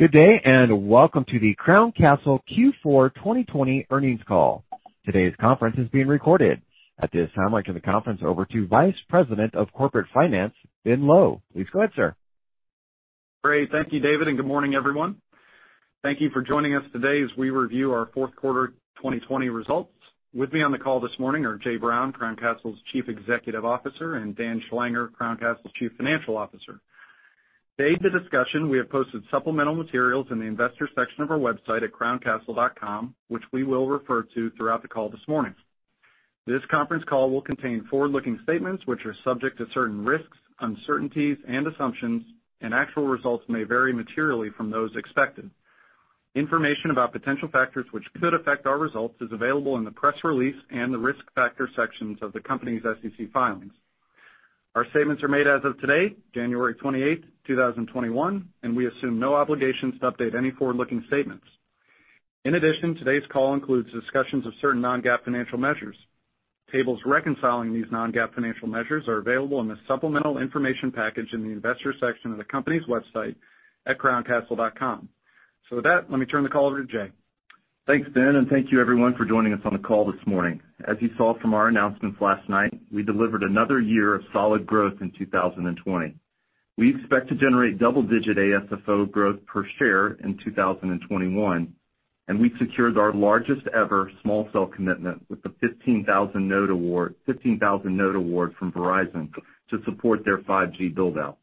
Good day, and welcome to the Crown Castle Q4 2020 earnings call. Today's conference is being recorded. At this time, I turn the conference over to Vice President of Corporate Finance, Ben Lowe. Please go ahead, sir. Great. Thank you, David, and good morning, everyone. Thank you for joining us today as we review our fourth quarter 2020 results. With me on the call this morning are Jay Brown, Crown Castle's Chief Executive Officer, Dan Schlanger, Crown Castle's Chief Financial Officer. To aid the discussion, we have posted supplemental materials in the Investors section of our website at crowncastle.com, which we will refer to throughout the call this morning. This conference call will contain forward-looking statements, which are subject to certain risks, uncertainties, and assumptions, and actual results may vary materially from those expected. Information about potential factors which could affect our results is available in the press release and the risk factor sections of the company's SEC filings. Our statements are made as of today, January 28, 2021, and we assume no obligations to update any forward-looking statements. In addition, today's call includes discussions of certain non-GAAP financial measures. Tables reconciling these non-GAAP financial measures are available in the supplemental information package in the Investors section of the company's website at crowncastle.com. With that, let me turn the call over to Jay. Thanks, Ben, and thank you everyone for joining us on the call this morning. As you saw from our announcements last night, we delivered another year of solid growth in 2020. We expect to generate double-digit AFFO growth per share in 2021, and we've secured our largest ever small cell commitment with the 15,000 node award from Verizon to support their 5G build-out.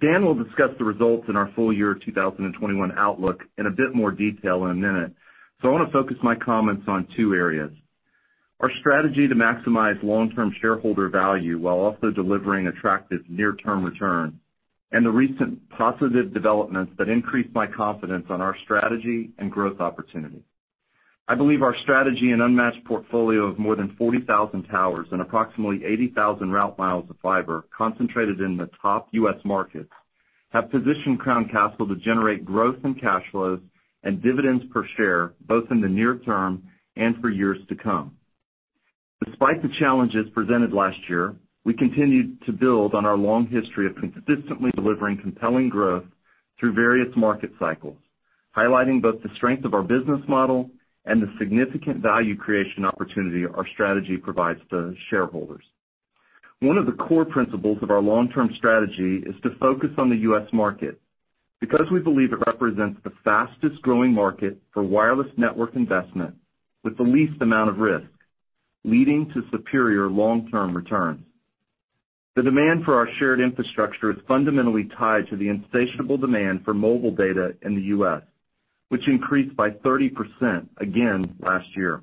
Dan will discuss the results in our full year 2021 outlook in a bit more detail in a minute. I want to focus my comments on two areas, our strategy to maximize long-term shareholder value while also delivering attractive near-term return, and the recent positive developments that increase my confidence on our strategy and growth opportunity. I believe our strategy and unmatched portfolio of more than 40,000 towers and approximately 80,000 route miles of fiber concentrated in the top U.S. markets, have positioned Crown Castle to generate growth in cash flows and dividends per share, both in the near term and for years to come. Despite the challenges presented last year, we continued to build on our long history of consistently delivering compelling growth through various market cycles, highlighting both the strength of our business model and the significant value creation opportunity our strategy provides to shareholders. One of the core principles of our long-term strategy is to focus on the U.S. market because we believe it represents the fastest-growing market for wireless network investment with the least amount of risk, leading to superior long-term returns. The demand for our shared infrastructure is fundamentally tied to the insatiable demand for mobile data in the U.S., which increased by 30% again last year.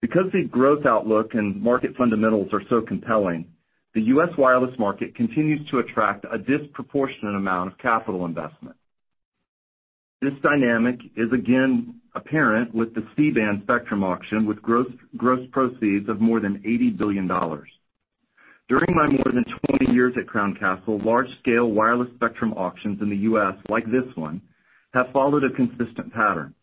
Because the growth outlook and market fundamentals are so compelling, the U.S. wireless market continues to attract a disproportionate amount of capital investment. This dynamic is again apparent with the C-band spectrum auction, with gross proceeds of more than $80 billion. During my more than 20 years at Crown Castle, large-scale wireless spectrum auctions in the U.S. like this one, have followed a consistent pattern.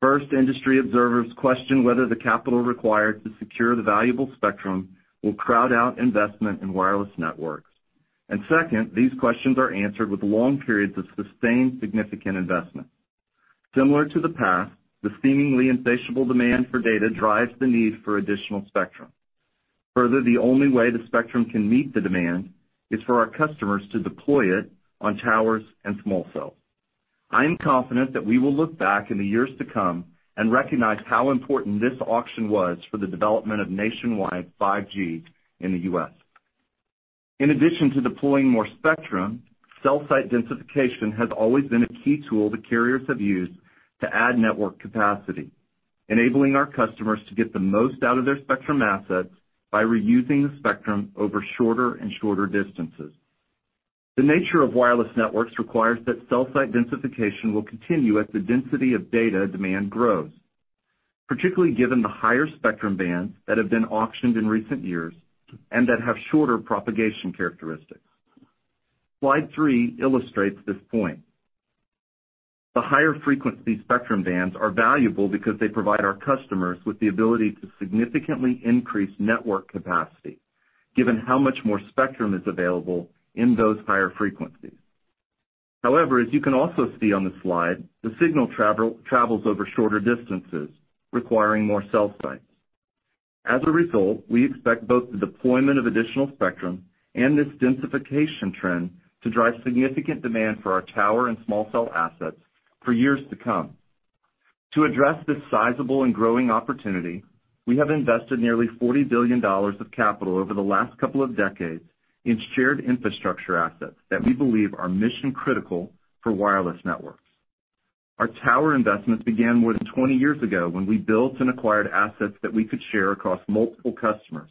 First, industry observers question whether the capital required to secure the valuable spectrum will crowd out investment in wireless networks. Second, these questions are answered with long periods of sustained significant investment. Similar to the past, the seemingly insatiable demand for data drives the need for additional spectrum. Further, the only way the spectrum can meet the demand is for our customers to deploy it on towers and small cells. I am confident that we will look back in the years to come and recognize how important this auction was for the development of nationwide 5G in the U.S. In addition to deploying more spectrum, cell site densification has always been a key tool that carriers have used to add network capacity, enabling our customers to get the most out of their spectrum assets by reusing the spectrum over shorter and shorter distances. The nature of wireless networks requires that cell site densification will continue as the density of data demand grows, particularly given the higher spectrum bands that have been auctioned in recent years and that have shorter propagation characteristics. Slide three illustrates this point. The higher frequency spectrum bands are valuable because they provide our customers with the ability to significantly increase network capacity given how much more spectrum is available in those higher frequencies. However, as you can also see on the slide, the signal travels over shorter distances, requiring more cell sites. As a result, we expect both the deployment of additional spectrum and this densification trend to drive significant demand for our tower and small cell assets for years to come. To address this sizable and growing opportunity, we have invested nearly $40 billion of capital over the last couple of decades in shared infrastructure assets that we believe are mission-critical for wireless networks. Our tower investments began more than 20 years ago when we built and acquired assets that we could share across multiple customers,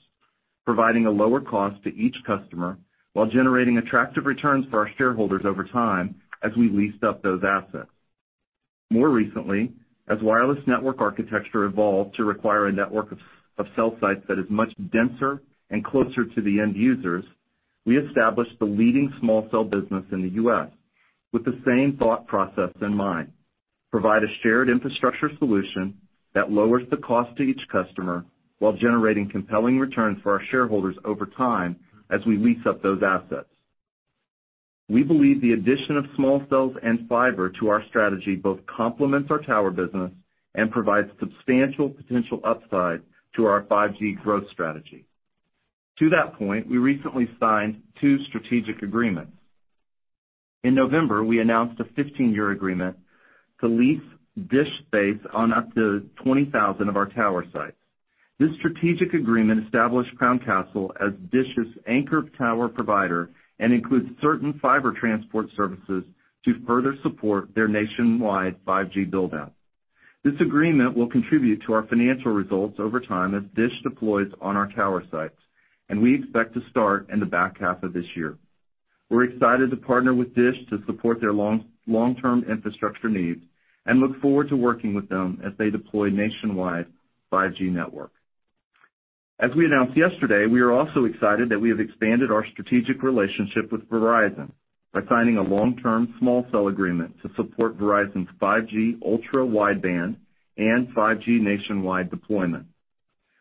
providing a lower cost to each customer while generating attractive returns for our shareholders over time as we leased up those assets. More recently, as wireless network architecture evolved to require a network of cell sites that is much denser and closer to the end users, we established the leading small cell business in the U.S. with the same thought process in mind. Provide a shared infrastructure solution that lowers the cost to each customer while generating compelling returns for our shareholders over time as we lease up those assets. We believe the addition of small cells and fiber to our strategy both complements our tower business and provides substantial potential upside to our 5G growth strategy. To that point, we recently signed two strategic agreements. In November, we announced a 15-year agreement to lease DISH space on up to 20,000 of our tower sites. This strategic agreement established Crown Castle as DISH's anchor tower provider and includes certain fiber transport services to further support their nationwide 5G build-out. This agreement will contribute to our financial results over time as DISH deploys on our tower sites, and we expect to start in the back half of this year. We're excited to partner with DISH to support their long-term infrastructure needs and look forward to working with them as they deploy nationwide 5G network. As we announced yesterday, we are also excited that we have expanded our strategic relationship with Verizon by signing a long-term small cell agreement to support Verizon's 5G Ultra Wideband and 5G nationwide deployment.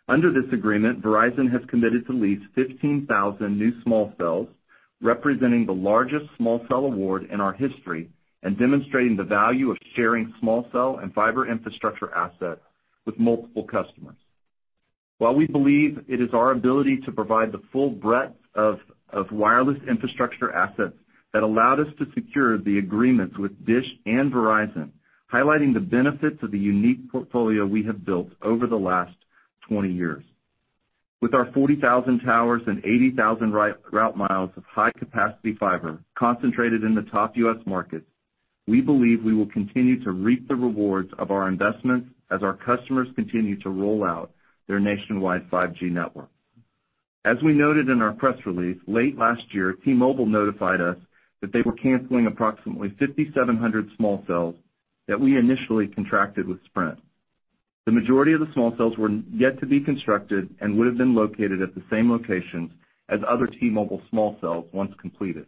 Under this agreement, Verizon has committed to lease 15,000 new small cells, representing the largest small cell award in our history and demonstrating the value of sharing small cell and fiber infrastructure assets with multiple customers. We believe it is our ability to provide the full breadth of wireless infrastructure assets that allowed us to secure the agreements with DISH and Verizon, highlighting the benefits of the unique portfolio we have built over the last 20 years. With our 40,000 towers and 80,000 route miles of high-capacity fiber concentrated in the top U.S. markets, we believe we will continue to reap the rewards of our investments as our customers continue to roll out their nationwide 5G network. As we noted in our press release, late last year, T-Mobile notified us that they were canceling approximately 5,700 small cells that we initially contracted with Sprint. The majority of the small cells were yet to be constructed and would have been located at the same locations as other T-Mobile small cells once completed.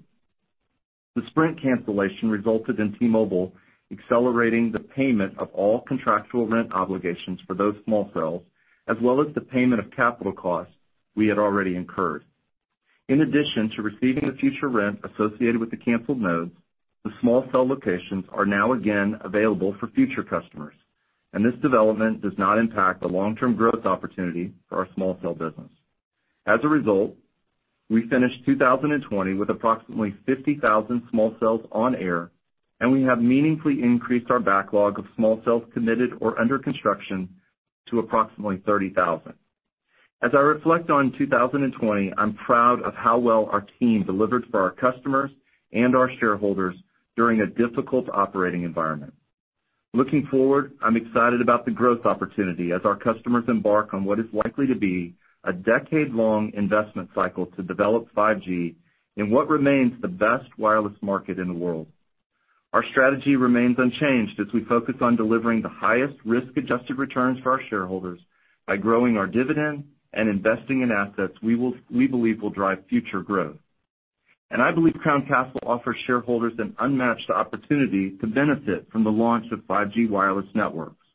The Sprint cancellation resulted in T-Mobile accelerating the payment of all contractual rent obligations for those small cells, as well as the payment of capital costs we had already incurred. In addition to receiving the future rent associated with the canceled nodes, the small cell locations are now again available for future customers, and this development does not impact the long-term growth opportunity for our small cell business. As a result, we finished 2020 with approximately 50,000 small cells on air, and we have meaningfully increased our backlog of small cells committed or under construction to approximately 30,000. As I reflect on 2020, I'm proud of how well our team delivered for our customers and our shareholders during a difficult operating environment. Looking forward, I'm excited about the growth opportunity as our customers embark on what is likely to be a decade-long investment cycle to develop 5G in what remains the best wireless market in the world. Our strategy remains unchanged as we focus on delivering the highest risk-adjusted returns for our shareholders by growing our dividend and investing in assets we believe will drive future growth. I believe Crown Castle offers shareholders an unmatched opportunity to benefit from the launch of 5G wireless networks.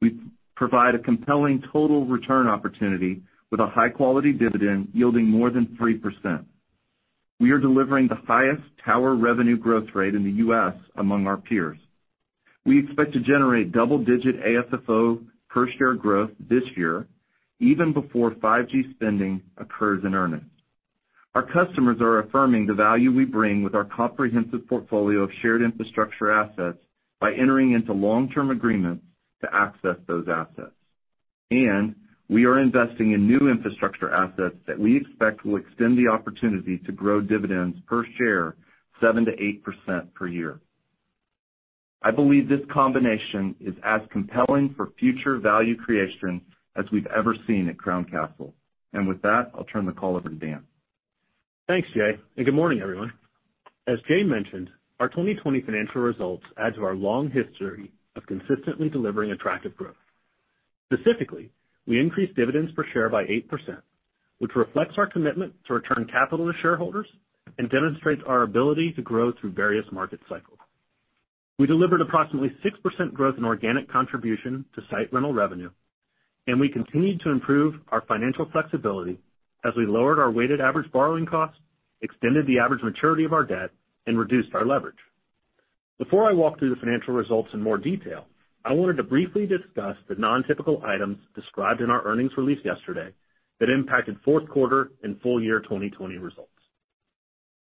We provide a compelling total return opportunity with a high-quality dividend yielding more than 3%. We are delivering the highest tower revenue growth rate in the U.S. among our peers. We expect to generate double-digit AFFO per share growth this year, even before 5G spending occurs in earnest. Our customers are affirming the value we bring with our comprehensive portfolio of shared infrastructure assets by entering into long-term agreements to access those assets. We are investing in new infrastructure assets that we expect will extend the opportunity to grow dividends per share 7%-8% per year. I believe this combination is as compelling for future value creation as we've ever seen at Crown Castle. With that, I'll turn the call over to Dan. Thanks, Jay. Good morning, everyone. As Jay mentioned, our 2020 financial results add to our long history of consistently delivering attractive growth. Specifically, we increased dividends per share by 8%, which reflects our commitment to return capital to shareholders and demonstrates our ability to grow through various market cycles. We delivered approximately 6% growth in organic contribution to site rental revenue. We continued to improve our financial flexibility as we lowered our weighted average borrowing cost, extended the average maturity of our debt, and reduced our leverage. Before I walk through the financial results in more detail, I wanted to briefly discuss the non-typical items described in our earnings release yesterday that impacted fourth quarter and full year 2020 results.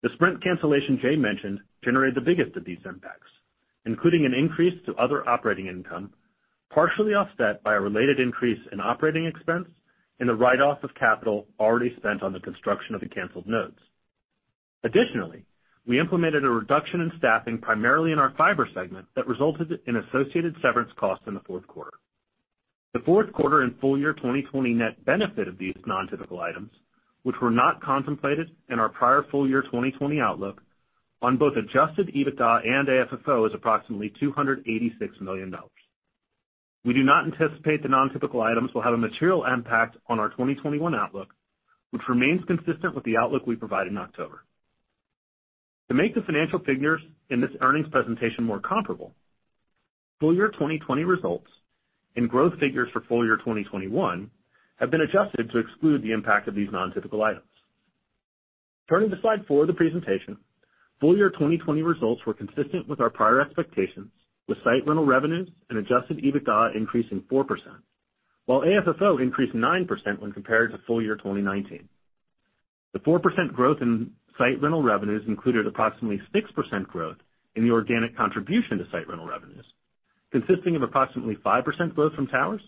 The Sprint cancellation Jay mentioned generated the biggest of these impacts, including an increase to other operating income, partially offset by a related increase in operating expense and the write-off of capital already spent on the construction of the canceled nodes. Additionally, we implemented a reduction in staffing primarily in our fiber segment that resulted in associated severance costs in the fourth quarter. The fourth quarter and full year 2020 net benefit of these non-typical items, which were not contemplated in our prior full year 2020 outlook on both Adjusted EBITDA and AFFO is approximately $286 million. We do not anticipate the non-typical items will have a material impact on our 2021 outlook, which remains consistent with the outlook we provided in October. To make the financial figures in this earnings presentation more comparable, full-year 2020 results and growth figures for full-year 2021 have been adjusted to exclude the impact of these non-typical items. Turning to slide four of the presentation. Full-year 2020 results were consistent with our prior expectations, with site rental revenues and Adjusted EBITDA increasing 4%, while AFFO increased 9% when compared to full-year 2019. The 4% growth in site rental revenues included approximately 6% growth in the organic contribution to site rental revenues, consisting of approximately 5% growth from towers,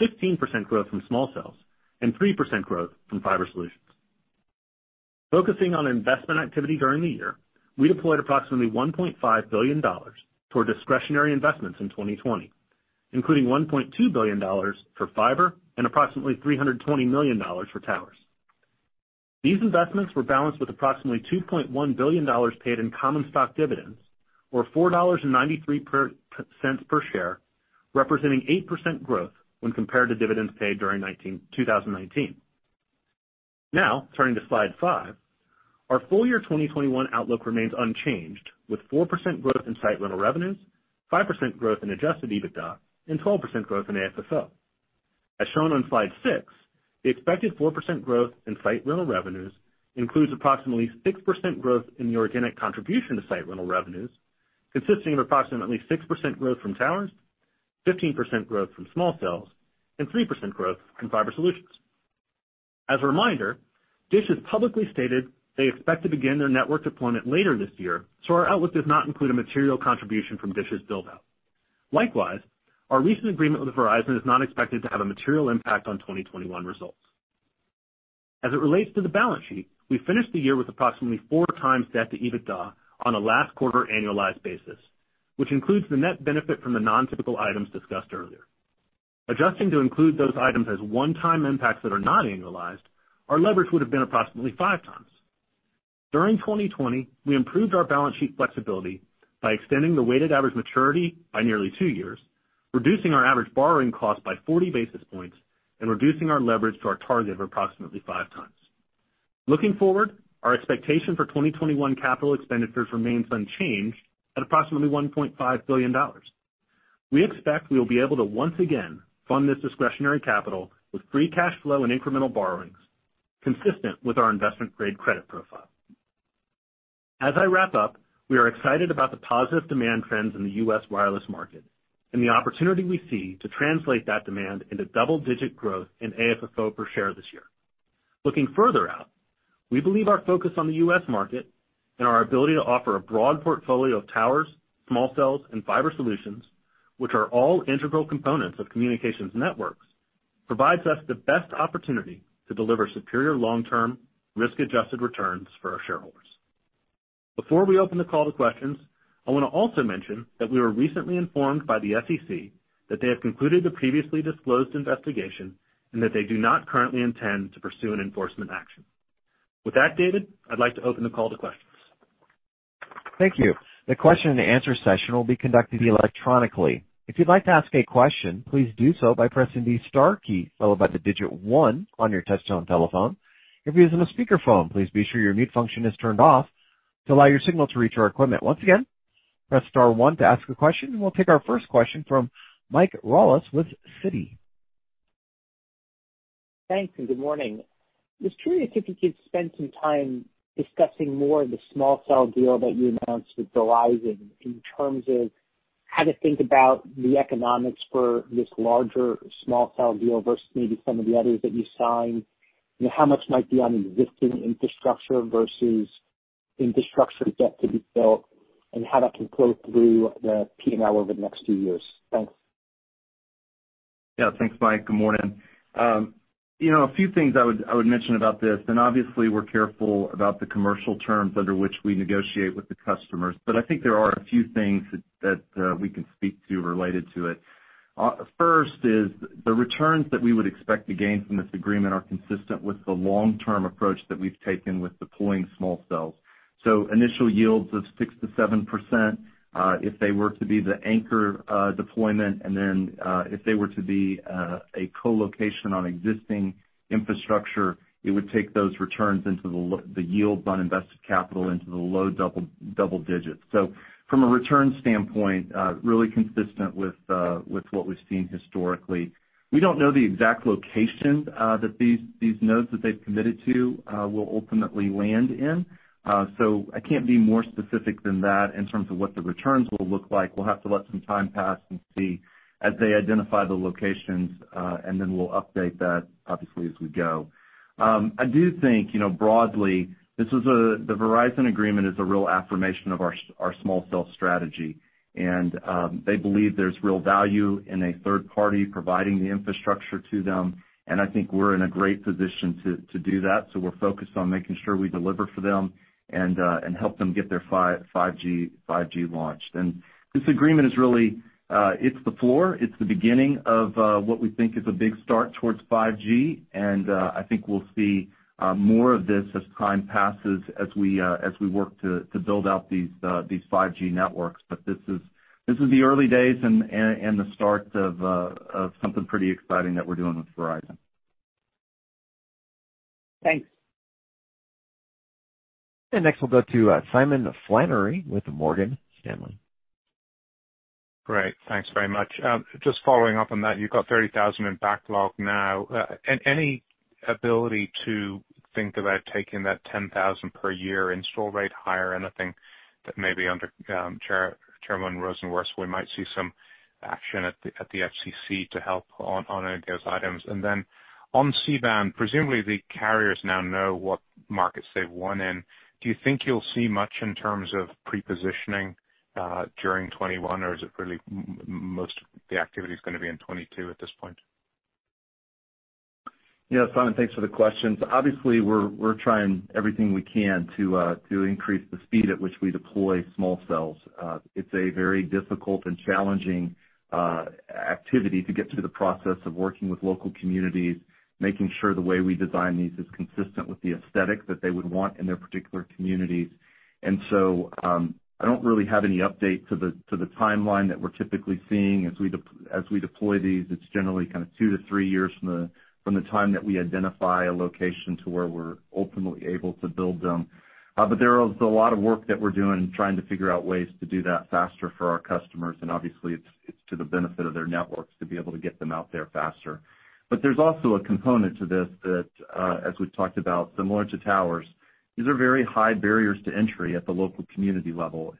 16% growth from small cells, and 3% growth from fiber solutions. Focusing on investment activity during the year, we deployed approximately $1.5 billion toward discretionary investments in 2020, including $1.2 billion for fiber and approximately $320 million for towers. These investments were balanced with approximately $2.1 billion paid in common stock dividends, or $4.93 per share, representing 8% growth when compared to dividends paid during 2019. Turning to slide five. Our full-year 2021 outlook remains unchanged, with 4% growth in site rental revenues, 5% growth in Adjusted EBITDA, and 12% growth in AFFO. As shown on slide six, the expected 4% growth in site rental revenues includes approximately 6% growth in the organic contribution to site rental revenues, consisting of approximately 6% growth from towers, 15% growth from small cells, and 3% growth from fiber solutions. As a reminder, DISH has publicly stated they expect to begin their network deployment later this year, so our outlook does not include a material contribution from DISH's build-out. Likewise, our recent agreement with Verizon is not expected to have a material impact on 2021 results. As it relates to the balance sheet, we finished the year with approximately four times debt to EBITDA on a last-quarter annualized basis, which includes the net benefit from the non-typical items discussed earlier. Adjusting to include those items as one-time impacts that are not annualized, our leverage would have been approximately five times. During 2020, we improved our balance sheet flexibility by extending the weighted average maturity by nearly two years, reducing our average borrowing cost by 40 basis points, and reducing our leverage to our target of approximately five times. Looking forward, our expectation for 2021 capital expenditures remains unchanged at approximately $1.5 billion. We expect we will be able to once again fund this discretionary capital with free cash flow and incremental borrowings, consistent with our investment-grade credit profile. As I wrap up, we are excited about the positive demand trends in the U.S. wireless market and the opportunity we see to translate that demand into double-digit growth in AFFO per share this year. Looking further out, we believe our focus on the U.S. market and our ability to offer a broad portfolio of towers, small cells, and fiber solutions, which are all integral components of communications networks, provides us the best opportunity to deliver superior long-term risk-adjusted returns for our shareholders. Before we open the call to questions, I want to also mention that we were recently informed by the SEC that they have concluded the previously disclosed investigation and that they do not currently intend to pursue an enforcement action. With that, David, I'd like to open the call to questions. Thank you. We'll take our first question from Michael Rollins with Citi. Thanks. Good morning. It's true that if you could spend some time discussing more the small cell deal that you announced with Verizon in terms of how to think about the economics for this larger small cell deal versus maybe some of the others that you signed, how much might be on existing infrastructure versus infrastructure yet to be built, and how that can flow through the P&L over the next few years? Thanks. Yeah. Thanks, Mike. Good morning. A few things I would mention about this, and obviously we're careful about the commercial terms under which we negotiate with the customers, but I think there are a few things that we can speak to related to it. First is the returns that we would expect to gain from this agreement are consistent with the long-term approach that we've taken with deploying small cells. Initial yields of 6%-7% if they were to be the anchor deployment, and then if they were to be a co-location on existing infrastructure, it would take those returns into the yield on invested capital into the low double digits. From a return standpoint, really consistent with what we've seen historically. We don't know the exact locations that these nodes that they've committed to will ultimately land in. I can't be more specific than that in terms of what the returns will look like. We'll have to let some time pass and see as they identify the locations, and then we'll update that obviously as we go. I do think broadly, the Verizon agreement is a real affirmation of our small cell strategy. They believe there's real value in a third party providing the infrastructure to them, and I think we're in a great position to do that. We're focused on making sure we deliver for them and help them get their 5G launched. This agreement is really, it's the floor. It's the beginning of what we think is a big start towards 5G, and I think we'll see more of this as time passes as we work to build out these 5G networks. This is the early days and the start of something pretty exciting that we're doing with Verizon. Thanks. Next we'll go to Simon Flannery with Morgan Stanley. Great. Thanks very much. Just following up on that, you've got 30,000 in backlog now. Any ability to think about taking that 10,000 per year install rate higher? Anything that maybe under Chairman Rosenworcel, we might see some action at the FCC to help on any of those items. On C-band, presumably the carriers now know what markets they've won in. Do you think you'll see much in terms of pre-positioning, during 2021? Is it really most of the activity is going to be in 2022 at this point? Yeah, Simon. Thanks for the question. Obviously, we're trying everything we can to increase the speed at which we deploy small cells. It's a very difficult and challenging activity to get through the process of working with local communities, making sure the way we design these is consistent with the aesthetic that they would want in their particular communities. I don't really have any update to the timeline that we're typically seeing. As we deploy these, it's generally kind of two to three years from the time that we identify a location to where we're ultimately able to build them. There is a lot of work that we're doing, trying to figure out ways to do that faster for our customers, and obviously it's to the benefit of their networks to be able to get them out there faster. There's also a component to this that, as we've talked about, similar to towers, these are very high barriers to entry at the local community level.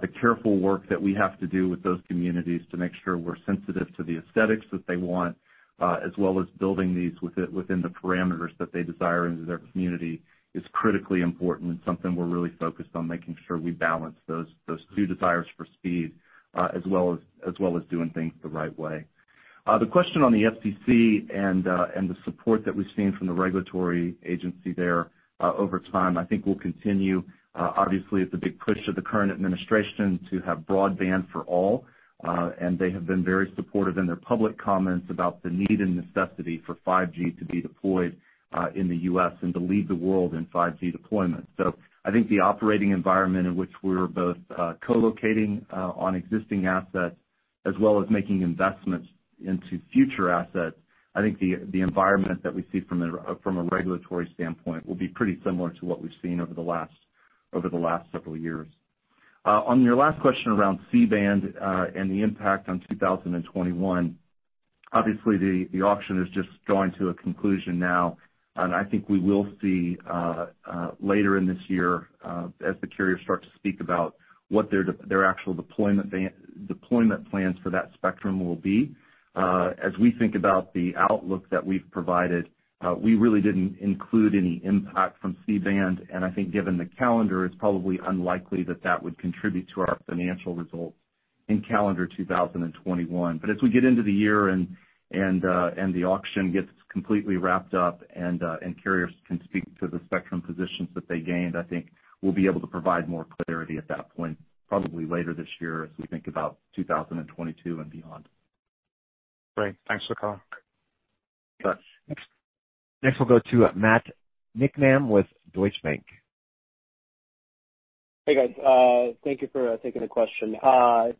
The careful work that we have to do with those communities to make sure we're sensitive to the aesthetics that they want, as well as building these within the parameters that they desire into their community, is critically important and something we're really focused on making sure we balance those two desires for speed, as well as doing things the right way. The question on the FCC and the support that we've seen from the regulatory agency there over time, I think will continue. Obviously, it's a big push of the current administration to have broadband for all. They have been very supportive in their public comments about the need and necessity for 5G to be deployed, in the U.S. and to lead the world in 5G deployment. I think the operating environment in which we're both co-locating on existing assets as well as making investments into future assets, I think the environment that we see from a regulatory standpoint will be pretty similar to what we've seen over the last several years. On your last question around C-band, and the impact on 2021, obviously the auction is just drawing to a conclusion now, and I think we will see, later in this year, as the carriers start to speak about what their actual deployment plans for that spectrum will be. As we think about the outlook that we've provided, we really didn't include any impact from C-band, and I think given the calendar, it's probably unlikely that that would contribute to our financial results in calendar 2021. As we get into the year and the auction gets completely wrapped up and carriers can speak to the spectrum positions that they gained, I think we'll be able to provide more clarity at that point, probably later this year as we think about 2022 and beyond. Great. Thanks for calling. Sure. Next, we'll go to Matt Niknam with Deutsche Bank. Hey, guys. Thank you for taking the question.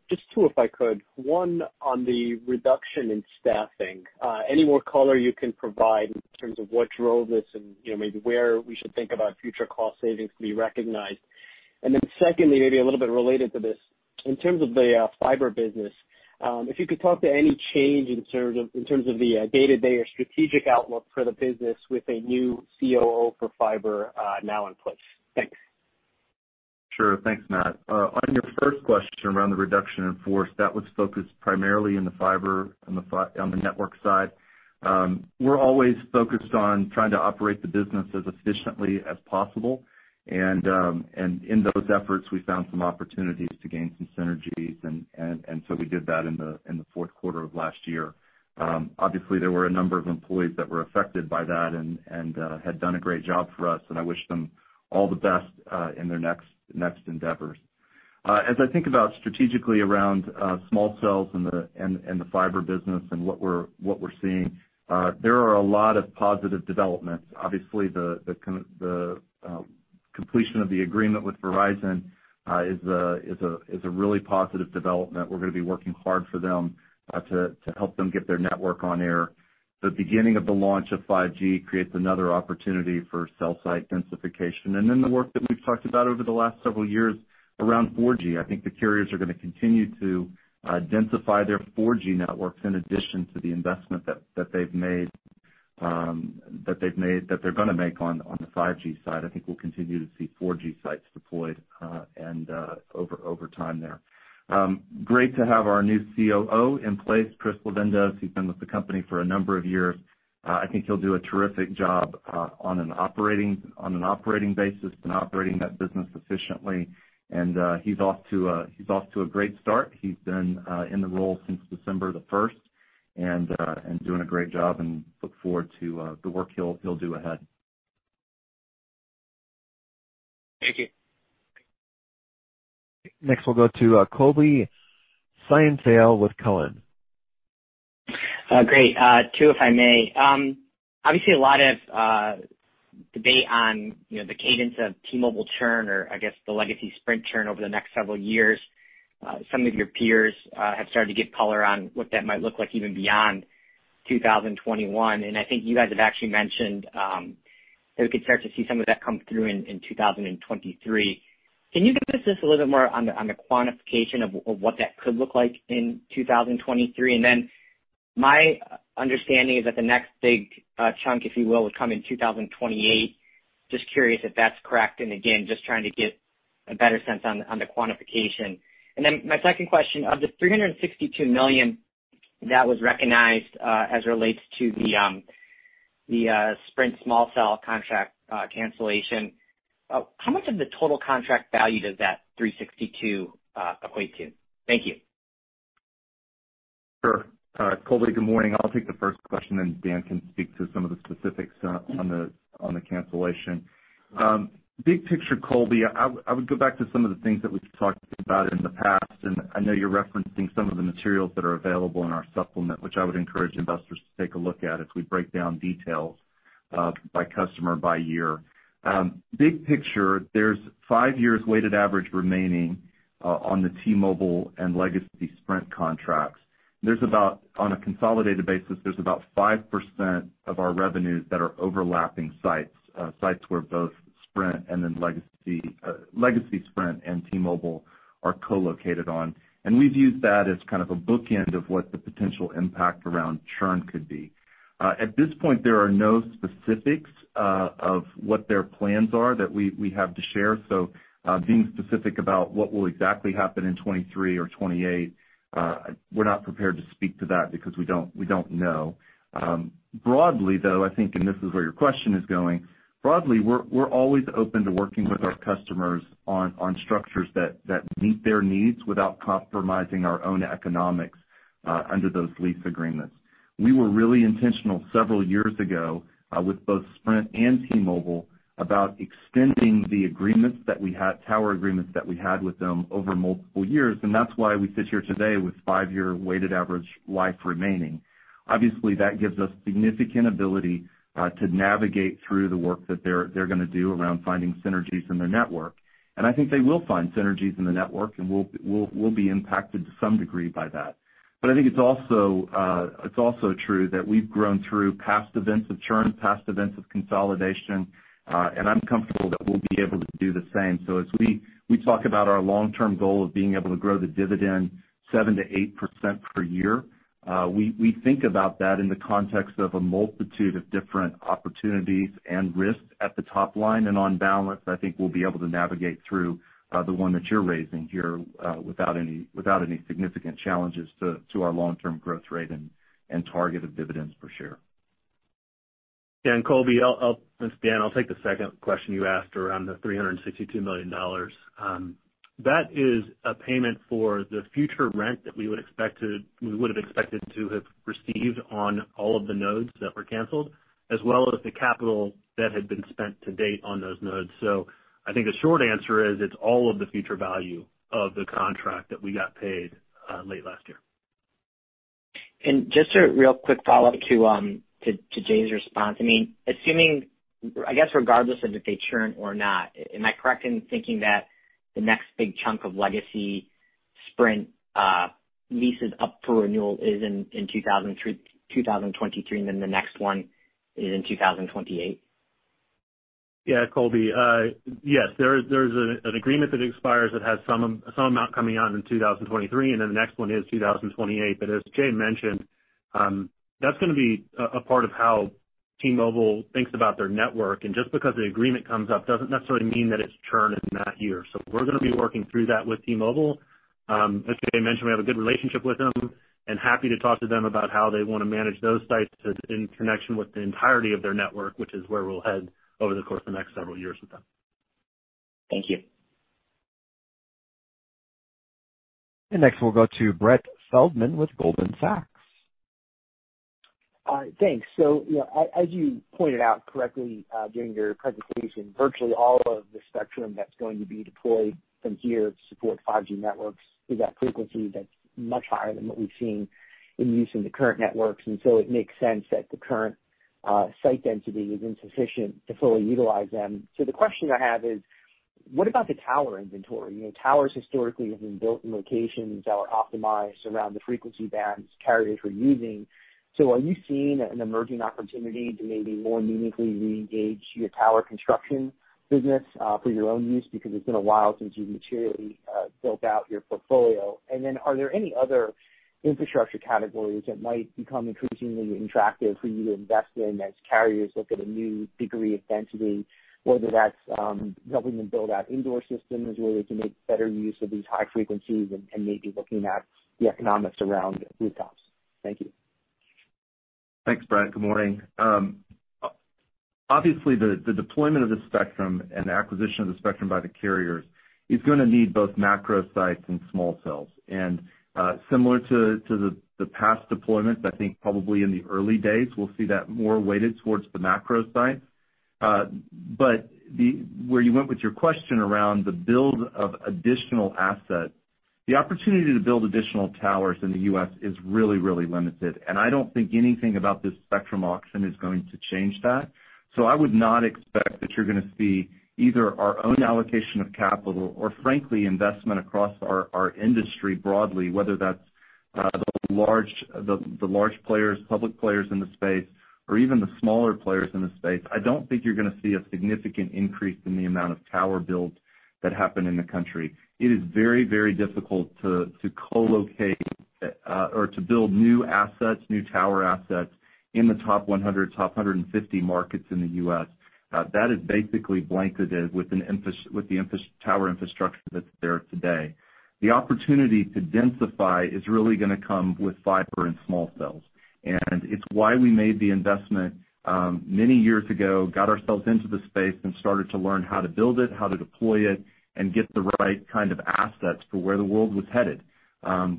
Just two, if I could. One on the reduction in staffing. Any more color you can provide in terms of what drove this and maybe where we should think about future cost savings to be recognized? Secondly, maybe a little bit related to this, in terms of the fiber business, if you could talk to any change in terms of the day-to-day or strategic outlook for the business with a new COO for fiber now in place. Thanks. Sure. Thanks, Matt. On your first question around the reduction in force, that was focused primarily on the fiber, on the network side. We're always focused on trying to operate the business as efficiently as possible. In those efforts, we found some opportunities to gain some synergies. We did that in the fourth quarter of last year. Obviously, there were a number of employees that were affected by that and had done a great job for us. I wish them all the best in their next endeavors. As I think about strategically around small cells and the fiber business and what we're seeing, there are a lot of positive developments. Obviously, the completion of the agreement with Verizon is a really positive development. We're going to be working hard for them to help them get their network on air. The beginning of the launch of 5G creates another opportunity for cell site densification. The work that we've talked about over the last several years around 4G. I think the carriers are going to continue to densify their 4G networks in addition to the investment that they're going to make on the 5G side. I think we'll continue to see 4G sites deployed over time there. Great to have our new COO in place, Chris Levendos. He's been with the company for a number of years. I think he'll do a terrific job on an operating basis and operating that business efficiently. He's off to a great start. He's been in the role since December the 1st and doing a great job, and look forward to the work he'll do ahead. Thank you. Next, we'll go to Colby Synesael with Cowen. Great. Two, if I may. Obviously, a lot of debate on the cadence of T-Mobile churn, or I guess the legacy Sprint churn over the next several years. Some of your peers have started to give color on what that might look like even beyond 2021, and I think you guys have actually mentioned that we could start to see some of that come through in 2023. Can you give us just a little bit more on the quantification of what that could look like in 2023? My understanding is that the next big chunk, if you will, would come in 2028. Just curious if that's correct, and again, just trying to get a better sense on the quantification. My second question, of the $362 million that was recognized as it relates to the Sprint small cell contract cancellation, how much of the total contract value does that $362 equate to? Thank you. Sure. Colby, good morning. I'll take the first question, then Dan can speak to some of the specifics on the cancellation. Big picture, Colby, I would go back to some of the things that we've talked about in the past, and I know you're referencing some of the materials that are available in our supplement, which I would encourage investors to take a look at as we break down details by customer, by year. Big picture, there's 5 years weighted average remaining on the T-Mobile and Legacy Sprint contracts. On a consolidated basis, there's about 5% of our revenues that are overlapping sites where both Sprint and then Legacy Sprint and T-Mobile are co-located on. We've used that as kind of a bookend of what the potential impact around churn could be. At this point, there are no specifics of what their plans are that we have to share. Being specific about what will exactly happen in 2023 or 2028, we're not prepared to speak to that because we don't know. Broadly, though, I think, and this is where your question is going, broadly, we're always open to working with our customers on structures that meet their needs without compromising our own economics under those lease agreements. We were really intentional several years ago, with both Sprint and T-Mobile, about extending the tower agreements that we had with them over multiple years, and that's why we sit here today with five-year weighted average life remaining. Obviously, that gives us significant ability to navigate through the work that they're going to do around finding synergies in their network. I think they will find synergies in the network, and we'll be impacted to some degree by that. I think it's also true that we've grown through past events of churn, past events of consolidation, and I'm comfortable that we'll be able to do the same. As we talk about our long-term goal of being able to grow the dividend 7%-8% per year, we think about that in the context of a multitude of different opportunities and risks at the top line and on balance, I think we'll be able to navigate through the one that you're raising here without any significant challenges to our long-term growth rate and target of dividends per share. Dan Colby, this is Dan. I'll take the second question you asked around the $362 million. That is a payment for the future rent that we would've expected to have received on all of the nodes that were canceled, as well as the capital that had been spent to date on those nodes. I think the short answer is it's all of the future value of the contract that we got paid late last year. Just a real quick follow-up to Jay's response. I guess regardless of if they churn or not, am I correct in thinking that the next big chunk of Legacy Sprint leases up for renewal is in 2023, and then the next one is in 2028? Yeah, Colby. Yes, there's an agreement that expires that has some amount coming out in 2023, and then the next one is 2028. As Jay mentioned, that's going to be a part of how T-Mobile thinks about their network. Just because the agreement comes up doesn't necessarily mean that it's churn in that year. We're going to be working through that with T-Mobile. As Jay mentioned, we have a good relationship with them and happy to talk to them about how they want to manage those sites in connection with the entirety of their network, which is where we'll head over the course of the next several years with them. Thank you. Next, we'll go to Brett Feldman with Goldman Sachs. Thanks. As you pointed out correctly during your presentation, virtually all of the spectrum that's going to be deployed from here to support 5G networks is at frequency that's much higher than what we've seen in use in the current networks. It makes sense that the current site density is insufficient to fully utilize them. The question I have is, what about the tower inventory? Towers historically have been built in locations that were optimized around the frequency bands carriers were using. Are you seeing an emerging opportunity to maybe more meaningfully reengage your tower construction business for your own use? Because it's been a while since you've materially built out your portfolio. Are there any other infrastructure categories that might become increasingly attractive for you to invest in as carriers look at a new degree of density, whether that's helping them build out indoor systems where they can make better use of these high frequencies and maybe looking at the economics around rooftops? Thank you. Thanks, Brett. Good morning. Obviously, the deployment of the spectrum and the acquisition of the spectrum by the carriers is going to need both macro sites and small cells. Similar to the past deployments, I think probably in the early days, we'll see that more weighted towards the macro site. Where you went with your question, the opportunity to build additional towers in the U.S. is really, really limited, and I don't think anything about this spectrum auction is going to change that. I would not expect that you're going to see either our own allocation of capital or frankly, investment across our industry broadly, whether that's the large players, public players in the space or even the smaller players in the space. I don't think you're going to see a significant increase in the amount of tower builds that happen in the country. It is very, very difficult to collocate, or to build new assets, new tower assets in the top 100, top 150 markets in the U.S. That is basically blanketed with the tower infrastructure that's there today. The opportunity to densify is really going to come with fiber and small cells, and it's why we made the investment many years ago, got ourselves into the space and started to learn how to build it, how to deploy it, and get the right kind of assets for where the world was headed.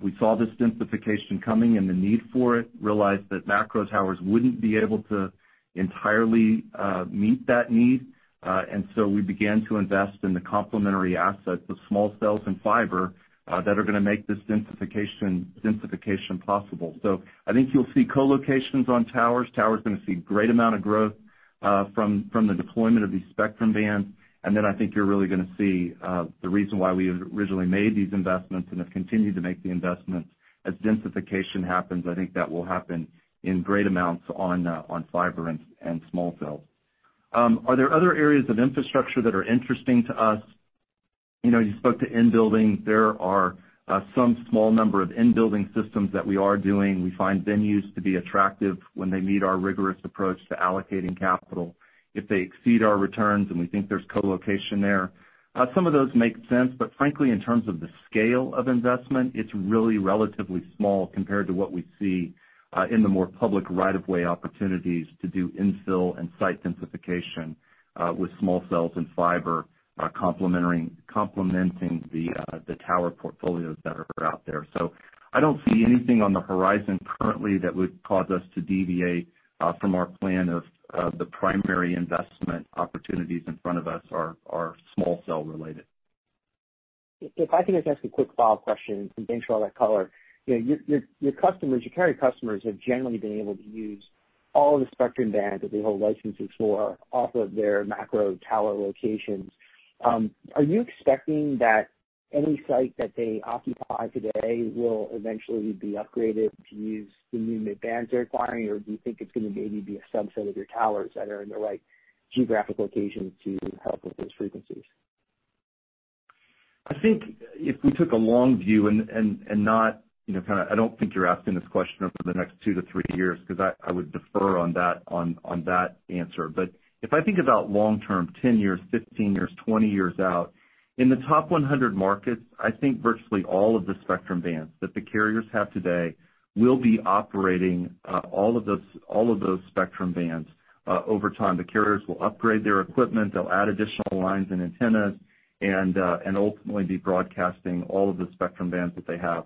We saw this densification coming and the need for it, realized that macro towers wouldn't be able to entirely meet that need. We began to invest in the complementary assets of small cells and fiber, that are going to make this densification possible. I think you'll see co-locations on towers. Towers going to see great amount of growth from the deployment of these spectrum bands. Then I think you're really going to see the reason why we originally made these investments and have continued to make the investments as densification happens, I think that will happen in great amounts on fiber and small cells. Are there other areas of infrastructure that are interesting to us? You spoke to in-building. There are some small number of in-building systems that we are doing. We find venues to be attractive when they meet our rigorous approach to allocating capital. If they exceed our returns and we think there's co-location there, some of those make sense. Frankly, in terms of the scale of investment, it's really relatively small compared to what we see in the more public right-of-way opportunities to do infill and site densification with small cells and fiber complementing the tower portfolios that are out there. I don't see anything on the horizon currently that would cause us to deviate from our plan of the primary investment opportunities in front of us are small cell related. If I can just ask a quick follow-up question and thanks for all that color. Your carrier customers have generally been able to use all of the spectrum bands that they hold licenses for off of their macro tower locations. Are you expecting that any site that they occupy today will eventually be upgraded to use the new mid-bands they're acquiring? Do you think it's going to maybe be a subset of your towers that are in the right geographic locations to help with those frequencies? I think if we took a long view. I don't think you're asking this question over the next 2 to 3 years, because I would defer on that answer. If I think about long-term, 10 years, 15 years, 20 years out, in the top 100 markets, I think virtually all of the spectrum bands that the carriers have today will be operating all of those spectrum bands. Over time, the carriers will upgrade their equipment. They'll add additional lines and antennas and ultimately be broadcasting all of the spectrum bands that they have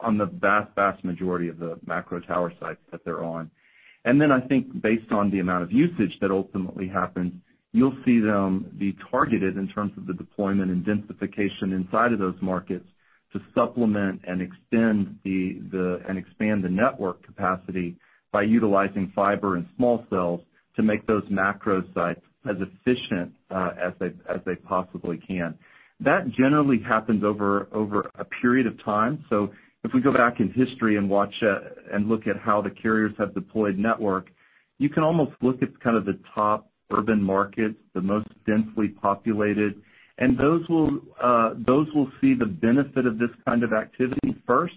on the vast majority of the macro tower sites that they're on. Then I think based on the amount of usage that ultimately happens, you'll see them be targeted in terms of the deployment and densification inside of those markets to supplement and expand the network capacity by utilizing fiber and small cells to make those macro sites as efficient as they possibly can. That generally happens over a period of time. If we go back in history and look at how the carriers have deployed network, you can almost look at the top urban markets, the most densely populated, and those will see the benefit of this kind of activity first.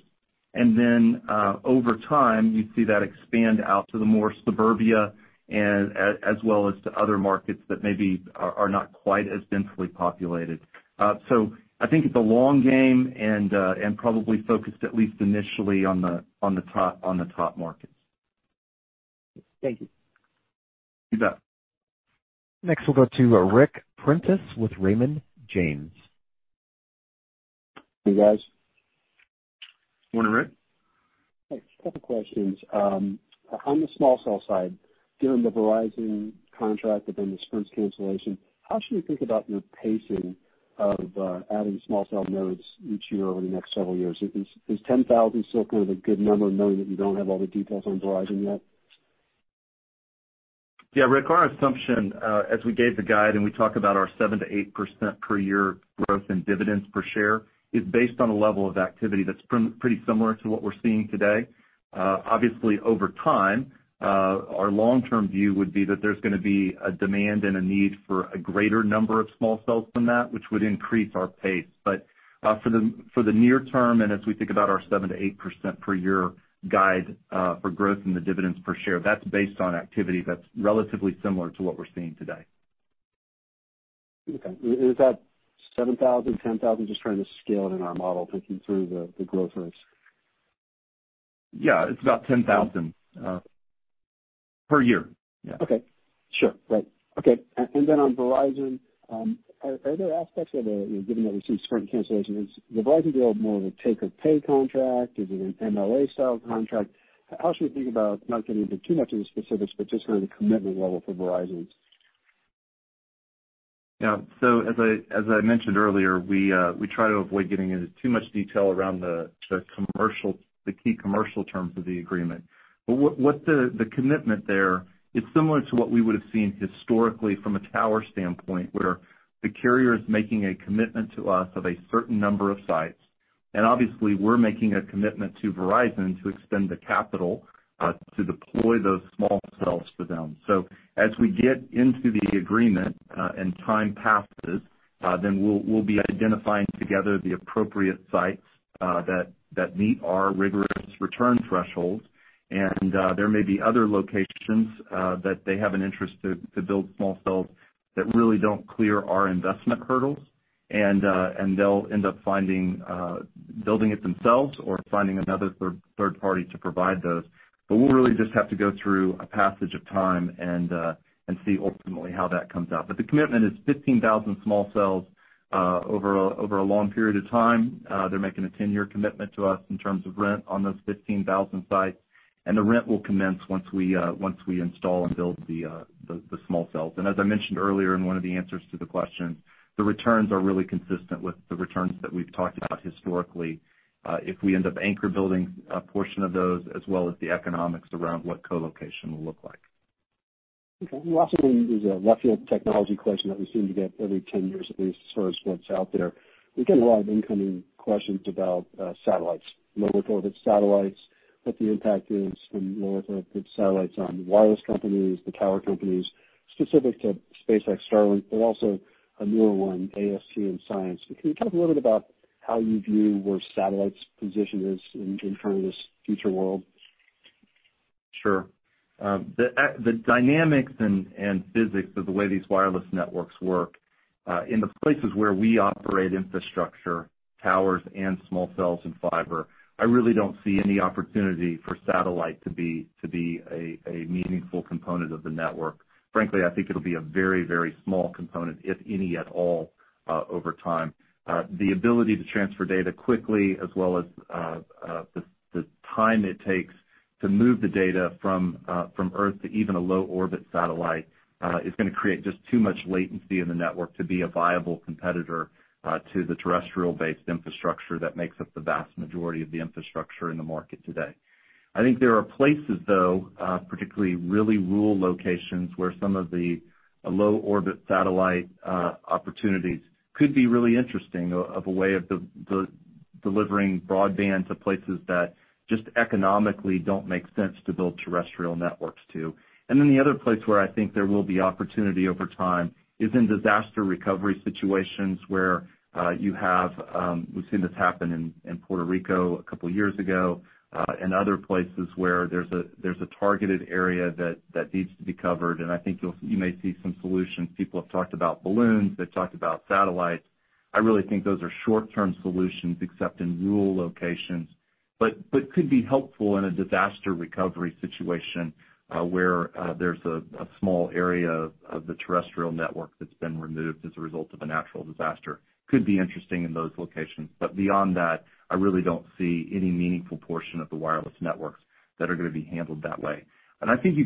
Then, over time, you see that expand out to the more suburbia and as well as to other markets that maybe are not quite as densely populated. I think it's a long game and probably focused at least initially on the top markets. Thank you. You bet. Next, we'll go to Ric Prentiss with Raymond James. Hey, guys. Morning, Ric. A couple of questions. On the small cell side, given the Verizon contract and then the Sprint cancellation, how should we think about your pacing of adding small cell nodes each year over the next several years? Is 10,000 still a good number knowing that you don't have all the details on Verizon yet? Yeah, Ric, our assumption, as we gave the guide and we talk about our 7%-8% per year growth in dividends per share, is based on a level of activity that's pretty similar to what we're seeing today. Obviously, over time, our long-term view would be that there's going to be a demand and a need for a greater number of small cells than that, which would increase our pace. For the near term, and as we think about our 7%-8% per year guide for growth in the dividends per share, that's based on activity that's relatively similar to what we're seeing today. Okay. Is that $7,000, $10,000? Just trying to scale it in our model, thinking through the growth rates. Yeah. It's about 10,000 per year. Okay. Sure. Right. Okay. Then on Verizon, are there aspects of it, given that we've seen Sprint cancellations, is the Verizon deal more of a take or pay contract? Is it an MLA style contract? How should we think about, not getting into too much of the specifics, but just the commitment level for Verizon? Yeah. As I mentioned earlier, we try to avoid getting into too much detail around the key commercial terms of the agreement. What the commitment there is similar to what we would've seen historically from a tower standpoint, where the carrier is making a commitment to us of a certain number of sites. Obviously, we're making a commitment to Verizon to extend the capital, to deploy those small cells to them. As we get into the agreement, and time passes, then we'll be identifying together the appropriate sites that meet our rigorous return thresholds. There may be other locations that they have an interest to build small cells that really don't clear our investment hurdles and they'll end up building it themselves or finding another third party to provide those. We'll really just have to go through a passage of time and see ultimately how that comes out. The commitment is 15,000 small cells, over a long period of time. They're making a 10-year commitment to us in terms of rent on those 15,000 sites. The rent will commence once we install and build the small cells. As I mentioned earlier in one of the answers to the question, the returns are really consistent with the returns that we've talked about historically, if we end up anchor building a portion of those as well as the economics around what co-location will look like. Okay. Last thing is a left field technology question that we seem to get every 10 years at least as far as what's out there. We get a lot of incoming questions about satellites, low orbit satellites, what the impact is from low earth orbit satellites on the wireless companies, the tower companies, specific to SpaceX Starlink, but also a newer one, AST & Science. Can you talk a little bit about how you view where satellites position is in terms of this future world? Sure. The dynamics and physics of the way these wireless networks work, in the places where we operate infrastructure, towers, and small cells and fiber, I really don't see any opportunity for satellite to be a meaningful component of the network. Frankly, I think it'll be a very small component, if any, at all, over time. The ability to transfer data quickly as well as the time it takes to move the data from Earth to even a low orbit satellite, is gonna create just too much latency in the network to be a viable competitor to the terrestrial-based infrastructure that makes up the vast majority of the infrastructure in the market today. I think there are places, though, particularly really rural locations, where some of the low-orbit satellite opportunities could be really interesting of a way of delivering broadband to places that just economically don't make sense to build terrestrial networks to. The other place where I think there will be opportunity over time is in disaster recovery situations where We've seen this happen in Puerto Rico a couple of years ago, and other places where there's a targeted area that needs to be covered. I think you may see some solutions. People have talked about balloons, they've talked about satellites. I really think those are short-term solutions except in rural locations, but could be helpful in a disaster recovery situation, where there's a small area of the terrestrial network that's been removed as a result of a natural disaster, could be interesting in those locations. Beyond that, I really don't see any meaningful portion of the wireless networks that are gonna be handled that way. I think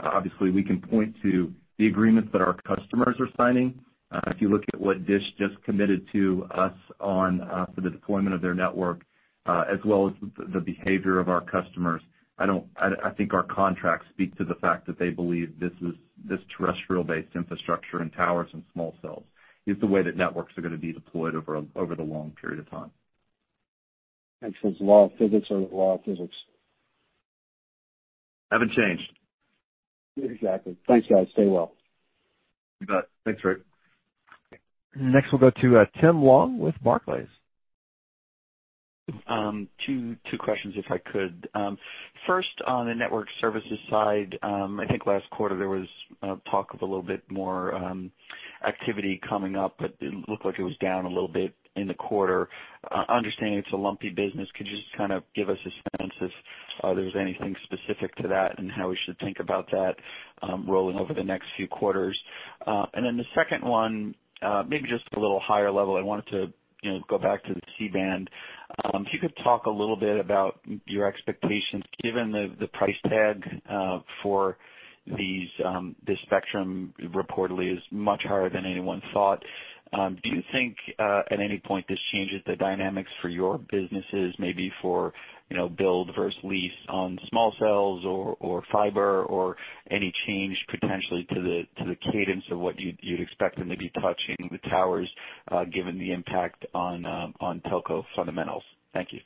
obviously, we can point to the agreements that our customers are signing. If you look at what DISH just committed to us on for the deployment of their network, as well as the behavior of our customers, I think our contracts speak to the fact that they believe this terrestrial-based infrastructure and towers and small cells is the way that networks are gonna be deployed over the long period of time. Actually, it's the law of physics or the law of physics. Haven't changed. Exactly. Thanks, guys. Stay well. You bet. Thanks, Ric. Next, we'll go to Tim Long with Barclays. Two questions, if I could. First, on the network services side, I think last quarter there was talk of a little bit more activity coming up, but it looked like it was down a little bit in the quarter. Understanding it's a lumpy business, could you just kind of give us a sense if there's anything specific to that and how we should think about that rolling over the next few quarters? Then the second one, maybe just a little higher level, I wanted to go back to the C-band. If you could talk a little bit about your expectations, given the price tag for this spectrum reportedly is much higher than anyone thought. Do you think, at any point this changes the dynamics for your businesses, maybe for build versus lease on small cells or fiber or any change potentially to the cadence of what you'd expect them to be touching the towers, given the impact on telco fundamentals? Thank you.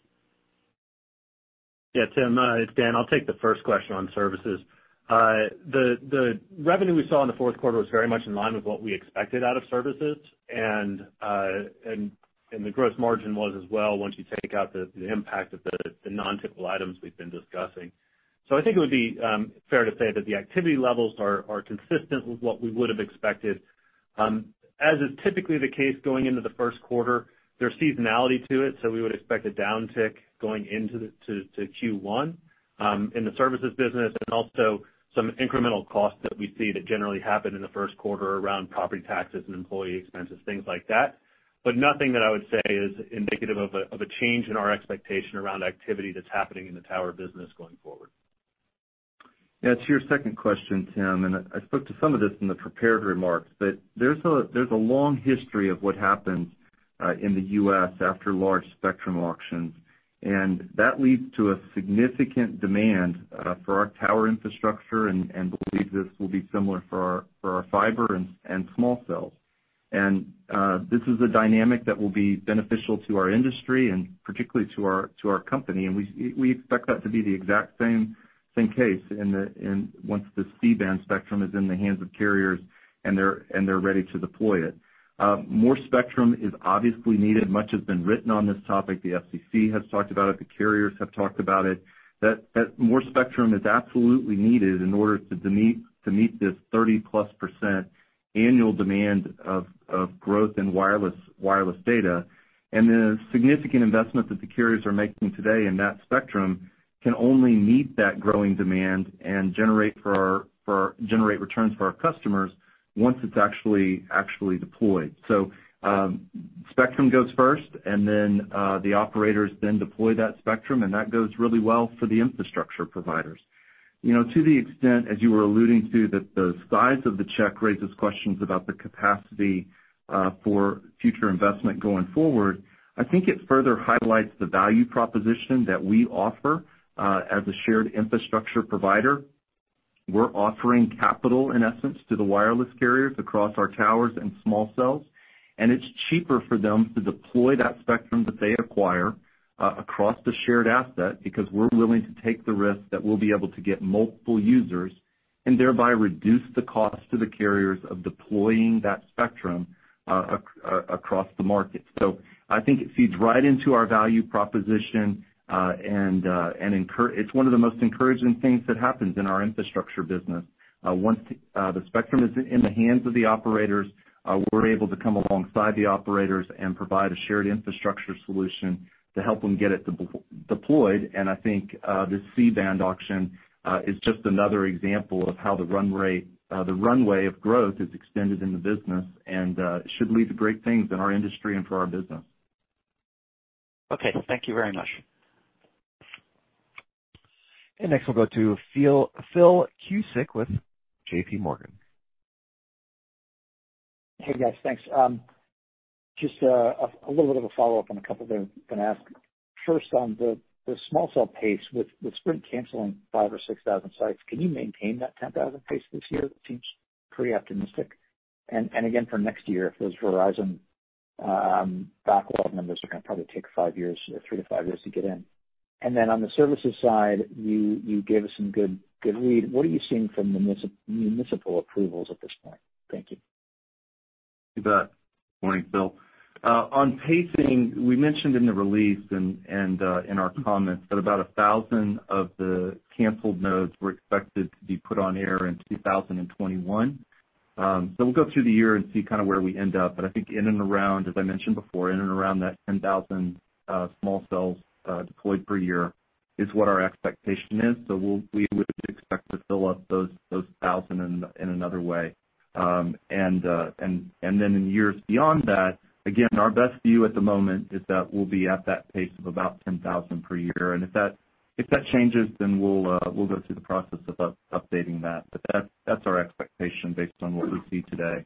Yeah, Tim. [It's] Dan, I'll take the first question on services. The revenue we saw in the fourth quarter was very much in line with what we expected out of services. The gross margin was as well, once you take out the impact of the non-typical items we've been discussing. I think it would be fair to say that the activity levels are consistent with what we would have expected. As is typically the case going into the first quarter, there's seasonality to it, so we would expect a downtick going into Q1, in the services business and also some incremental costs that we see that generally happen in the first quarter around property taxes and employee expenses, things like that. Nothing that I would say is indicative of a change in our expectation around activity that's happening in the tower business going forward. Yeah. To your second question, Tim, I spoke to some of this in the prepared remarks, but there's a long history of what happens in the U.S. after large spectrum auctions, and that leads to a significant demand for our tower infrastructure and believe this will be similar for our fiber and small cells. This is a dynamic that will be beneficial to our industry and particularly to our company. We expect that to be the exact same case once this C-band spectrum is in the hands of carriers and they're ready to deploy it. More spectrum is obviously needed. Much has been written on this topic. The FCC has talked about it, the carriers have talked about it, that more spectrum is absolutely needed in order to meet this 30-plus% annual demand of growth in wireless data. The significant investment that the carriers are making today in that spectrum can only meet that growing demand and generate returns for our customers once it's actually deployed. Spectrum goes first. The operators then deploy that spectrum. That goes really well for the infrastructure providers. To the extent, as you were alluding to, that the size of the check raises questions about the capacity for future investment going forward, I think it further highlights the value proposition that we offer, as a shared infrastructure provider. We're offering capital, in essence, to the wireless carriers across our towers and small cells. It's cheaper for them to deploy that spectrum that they acquire, across the shared asset, because we're willing to take the risk that we'll be able to get multiple users and thereby reduce the cost to the carriers of deploying that spectrum, across the market. I think it feeds right into our value proposition, and it's one of the most encouraging things that happens in our infrastructure business. Once the spectrum is in the hands of the operators, we're able to come alongside the operators and provide a shared infrastructure solution to help them get it deployed. I think, this C-band auction is just another example of how the runway of growth is extended in the business and, should lead to great things in our industry and for our business. Okay. Thank you very much. Next, we'll go to Phil Cusick with JPMorgan. Hey, guys. Thanks. Just a little bit of a follow-up on a couple that I'm gonna ask. First, on the small cell pace with Sprint canceling 5,000 or 6,000 sites, can you maintain that 10,000 pace this year? It seems pretty optimistic. Again, for next year, if those Verizon backlog numbers are gonna probably take five years, three to five years to get in. On the services side, you gave us some good read. What are you seeing from municipal approvals at this point? Thank you. You bet. Morning, Phil. On pacing, we mentioned in the release and in our comments that about 1,000 of the canceled nodes were expected to be put on air in 2021. We'll go through the year and see where we end up. I think in and around, as I mentioned before, in and around that 10,000 small cells deployed per year is what our expectation is. We would expect to fill up those 1,000 in another way. In years beyond that, again, our best view at the moment is that we'll be at that pace of about 10,000 per year. If that changes, then we'll go through the process of updating that. That's our expectation based on what we see today.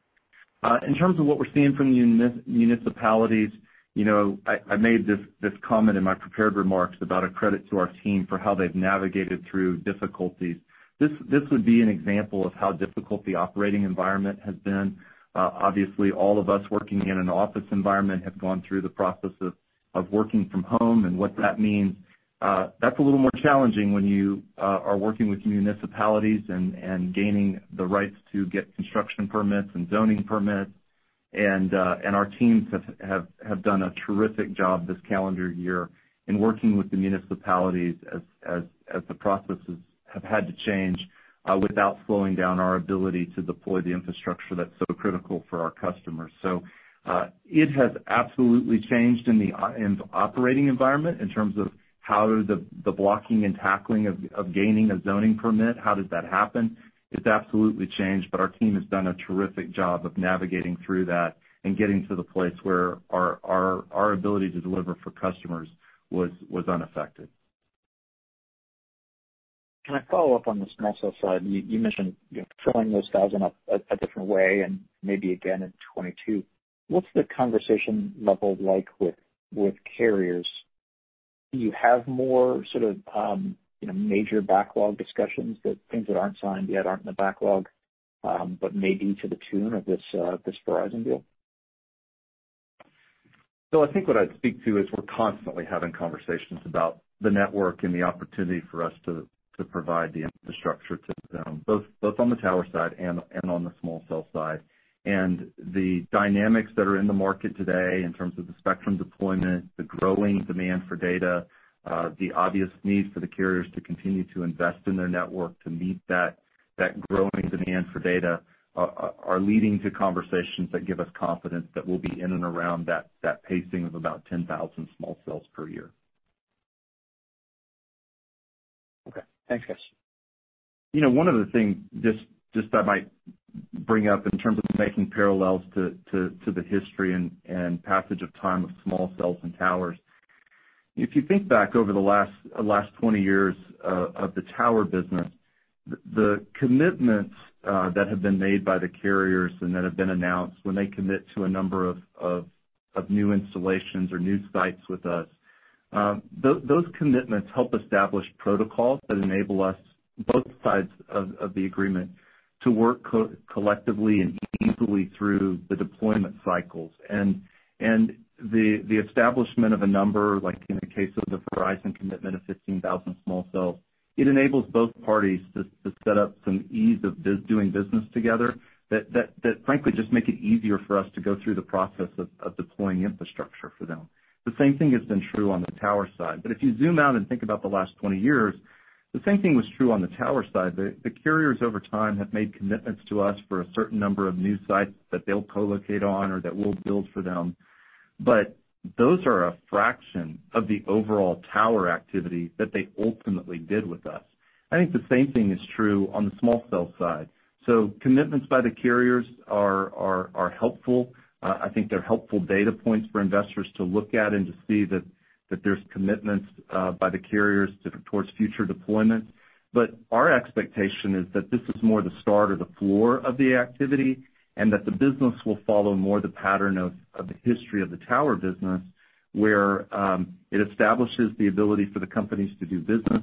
In terms of what we're seeing from the municipalities, I made this comment in my prepared remarks about a credit to our team for how they've navigated through difficulties. This would be an example of how difficult the operating environment has been. Obviously, all of us working in an office environment have gone through the process of working from home and what that means. That's a little more challenging when you are working with municipalities and gaining the rights to get construction permits and zoning permits. Our teams have done a terrific job this calendar year in working with the municipalities as the processes have had to change, without slowing down our ability to deploy the infrastructure that's so critical for our customers. It has absolutely changed in the operating environment in terms of how the blocking and tackling of gaining a zoning permit, how does that happen? It's absolutely changed, but our team has done a terrific job of navigating through that and getting to the place where our ability to deliver for customers was unaffected. Can I follow up on the small cell side? You mentioned filling those 1,000 up a different way and maybe again in 2022. What's the conversation level like with carriers? Do you have more sort of major backlog discussions that things that aren't signed yet aren't in the backlog, but maybe to the tune of this Verizon deal? I think what I'd speak to is we're constantly having conversations about the network and the opportunity for us to provide the infrastructure to them, both on the tower side and on the small cell side. The dynamics that are in the market today in terms of the spectrum deployment, the growing demand for data, the obvious need for the carriers to continue to invest in their network to meet that growing demand for data, are leading to conversations that give us confidence that we'll be in and around that pacing of about 10,000 small cells per year. Okay. Thanks, guys. One other thing, just I might bring up in terms of making parallels to the history and passage of time of small cells and towers. If you think back over the last 20 years of the tower business, the commitments that have been made by the carriers and that have been announced when they commit to a number of new installations or new sites with us, those commitments help establish protocols that enable us, both sides of the agreement, to work collectively and easily through the deployment cycles. The establishment of a number, like in the case of the Verizon commitment of 15,000 small cells, it enables both parties to set up some ease of doing business together that frankly, just make it easier for us to go through the process of deploying infrastructure for them. The same thing has been true on the tower side. If you zoom out and think about the last 20 years, the same thing was true on the tower side. The carriers over time, have made commitments to us for a certain number of new sites that they'll co-locate on or that we'll build for them. Those are a fraction of the overall tower activity that they ultimately did with us. I think the same thing is true on the small cell side. Commitments by the carriers are helpful. I think they're helpful data points for investors to look at and to see that there's commitments by the carriers towards future deployment. Our expectation is that this is more the start or the floor of the activity, and that the business will follow more the pattern of the history of the tower business, where it establishes the ability for the companies to do business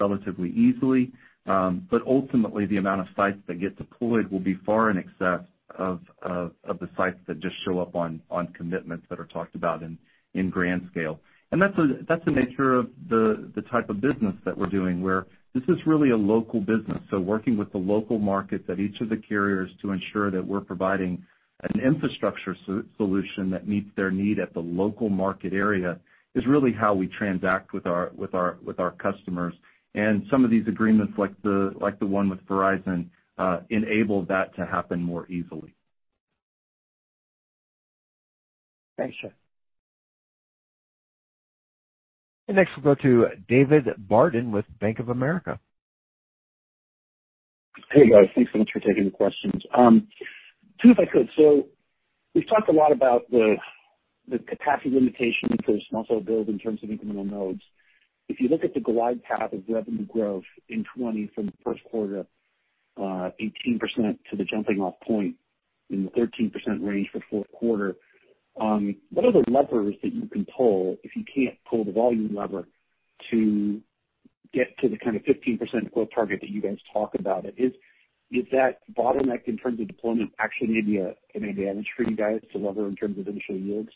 relatively easily. Ultimately, the amount of sites that get deployed will be far in excess of the sites that just show up on commitments that are talked about in grand scale. That's the nature of the type of business that we're doing, where this is really a local business. Working with the local markets at each of the carriers to ensure that we're providing an infrastructure solution that meets their need at the local market area is really how we transact with our customers. Some of these agreements, like the one with Verizon, enable that to happen more easily. Thanks. Next we'll go to David Barden with Bank of America. Hey, guys. Thanks so much for taking the questions. Two, if I could. We've talked a lot about the capacity limitations for small cell build in terms of incremental nodes. If you look at the glide path of revenue growth in 2020 from the first quarter, 18% to the jumping off point in the 13% range for fourth quarter, what are the levers that you can pull if you can't pull the volume lever to get to the kind of 15% growth target that you guys talk about? Is that bottleneck in terms of deployment actually maybe an advantage for you guys to lever in terms of initial yields?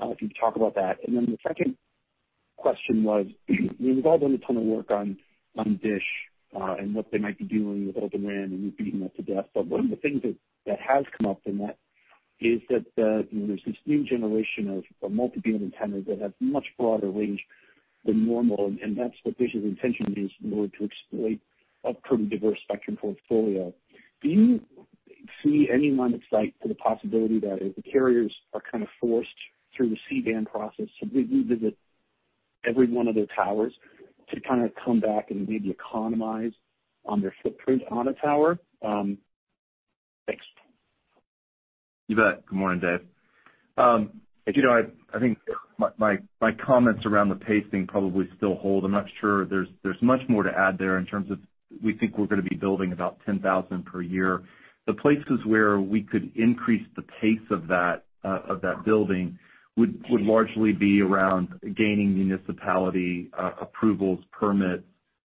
If you could talk about that. The second question was, you've all done a ton of work on DISH, and what they might be doing with Open RAN, and we've beaten that to death. One of the things that has come up in that is that there's this new generation of multi-beam antennas that have much broader range than normal, and that's what DISH's intention is in order to exploit a pretty diverse spectrum portfolio. Do you see any line of sight for the possibility that if the carriers are kind of forced through the C-band process to revisit every one of their towers to kind of come back and maybe economize on their footprint on a tower? Thanks. You bet. Good morning, Dave. I think my comments around the pacing probably still hold. I'm not sure there's much more to add there in terms of, we think we're gonna be building about 10,000 per year. The places where we could increase the pace of that building would largely be around gaining municipality approvals, permits.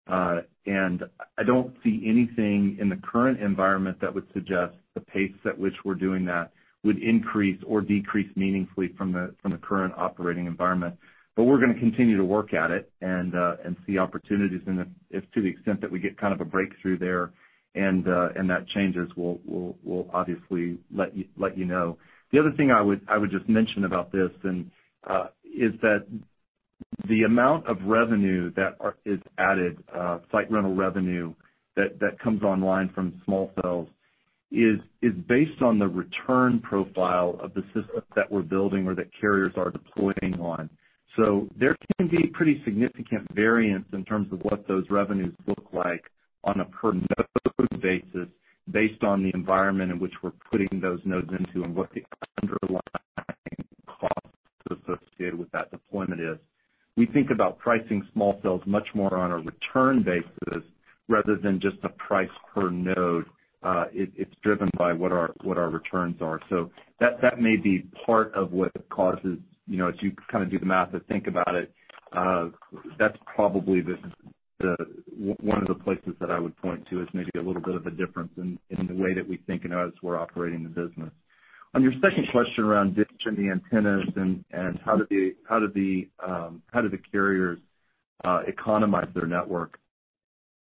I don't see anything in the current environment that would suggest the pace at which we're doing that would increase or decrease meaningfully from the current operating environment. We're gonna continue to work at it and see opportunities and if to the extent that we get kind of a breakthrough there and that changes, we'll obviously let you know. The other thing I would just mention about this, is that the amount of revenue that is added, site rental revenue that comes online from small cells, is based on the return profile of the systems that we're building or that carriers are deploying on. There can be pretty significant variance in terms of what those revenues look like on a per-node basis based on the environment in which we're putting those nodes into and what the underlying costs associated with that deployment is. We think about pricing small cells much more on a return basis rather than just a price per node. It's driven by what our returns are. That may be part of what causes, if you kind of do the math and think about it, that's probably one of the places that I would point to as maybe a little bit of a difference in the way that we think and as we're operating the business. On your second question around DISH and the antennas and how do the carriers economize their network,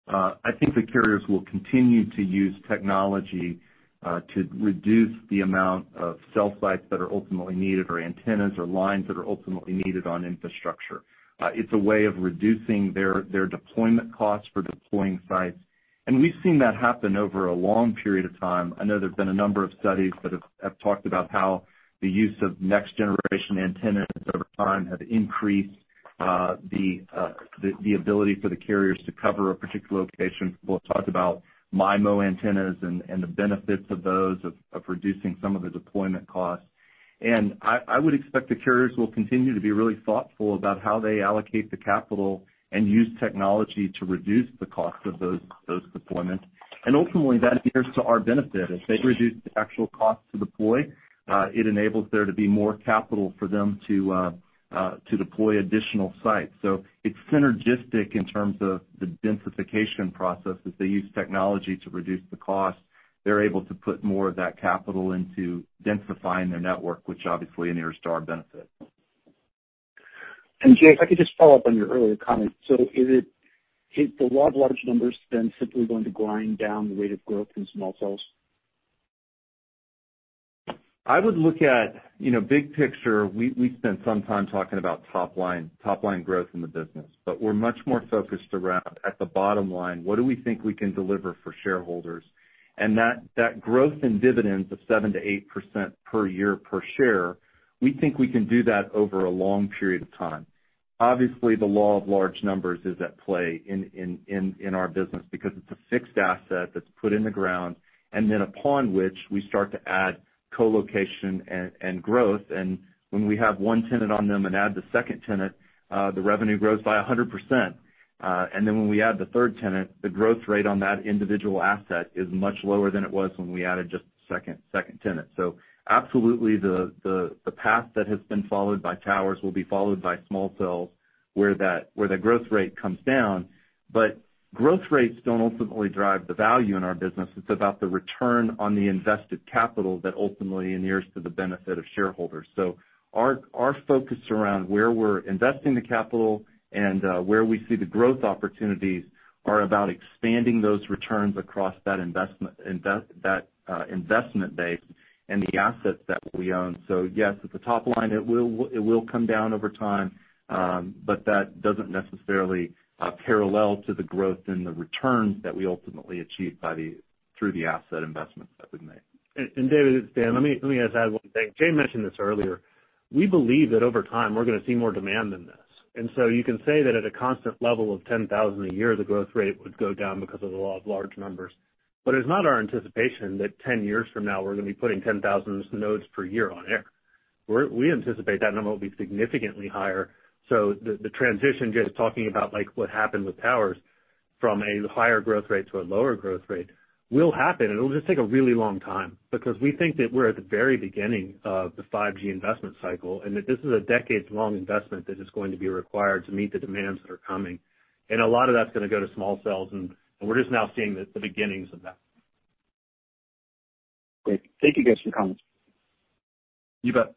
I think the carriers will continue to use technology, to reduce the amount of cell sites that are ultimately needed, or antennas or lines that are ultimately needed on infrastructure. It's a way of reducing their deployment costs for deploying sites. We've seen that happen over a long period of time. I know there's been a number of studies that have talked about how the use of next-generation antennas over time have increased the ability for the carriers to cover a particular location. We'll talk about MIMO antennas and the benefits of those, of reducing some of the deployment costs. I would expect the carriers will continue to be really thoughtful about how they allocate the capital and use technology to reduce the cost of those deployments. Ultimately, that inures to our benefit. If they reduce the actual cost to deploy, it enables there to be more capital for them to deploy additional sites. It's synergistic in terms of the densification process. As they use technology to reduce the cost, they're able to put more of that capital into densifying their network, which obviously inures to our benefit. Jay, if I could just follow up on your earlier comment. Is the law of large numbers then simply going to grind down the rate of growth in small cells? I would look at big picture. We spent some time talking about top line growth in the business, but we're much more focused around at the bottom line, what do we think we can deliver for shareholders? And that growth in dividends of 7%-8% per year per share, we think we can do that over a long period of time. Obviously, the law of large numbers is at play in our business because it's a fixed asset that's put in the ground, and then upon which we start to add co-location and growth. When we have one tenant on them and add the second tenant, the revenue grows by 100%. When we add the third tenant, the growth rate on that individual asset is much lower than it was when we added just the second tenant. Absolutely, the path that has been followed by towers will be followed by small cells, where the growth rate comes down. Growth rates don't ultimately drive the value in our business. It's about the return on the invested capital that ultimately inures to the benefit of shareholders. Our focus around where we're investing the capital and where we see the growth opportunities are about expanding those returns across that investment base and the assets that we own. Yes, at the top line, it will come down over time. That doesn't necessarily parallel to the growth in the returns that we ultimately achieve through the asset investments that we make. David, it's Dan. Let me just add one thing. Jay mentioned this earlier. We believe that over time, we're going to see more demand than this. You can say that at a constant level of 10,000 a year, the growth rate would go down because of the law of large numbers. It's not our anticipation that 10 years from now, we're going to be putting 10,000 nodes per year on air. We anticipate that number will be significantly higher. The transition Jay's talking about, like what happened with towers, from a higher growth rate to a lower growth rate, will happen, and it'll just take a really long time. We think that we're at the very beginning of the 5G investment cycle, and that this is a decades-long investment that is going to be required to meet the demands that are coming. A lot of that's going to go to small cells, and we're just now seeing the beginnings of that. Great. Thank you guys for your comments. You bet.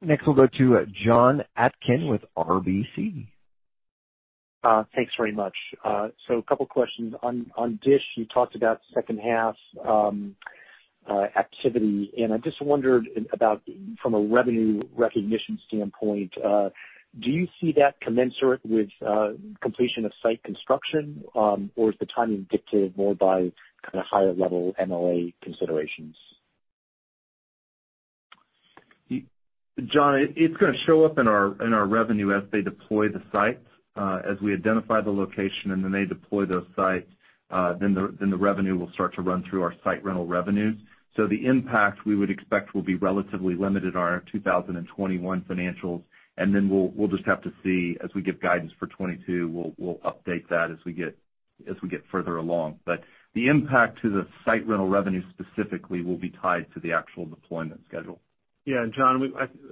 Next, we'll go to Jonathan Atkin with RBC. Thanks very much. A couple questions. On DISH, you talked about second half activity, and I just wondered about from a revenue recognition standpoint, do you see that commensurate with completion of site construction? Is the timing dictated more by kind of higher level MLA considerations? John, it's going to show up in our revenue as they deploy the sites. As we identify the location and then they deploy those sites, the revenue will start to run through our site rental revenues. The impact we would expect will be relatively limited on our 2021 financials. We'll just have to see as we give guidance for 2022. We'll update that as we get further along. The impact to the site rental revenue specifically will be tied to the actual deployment schedule. John,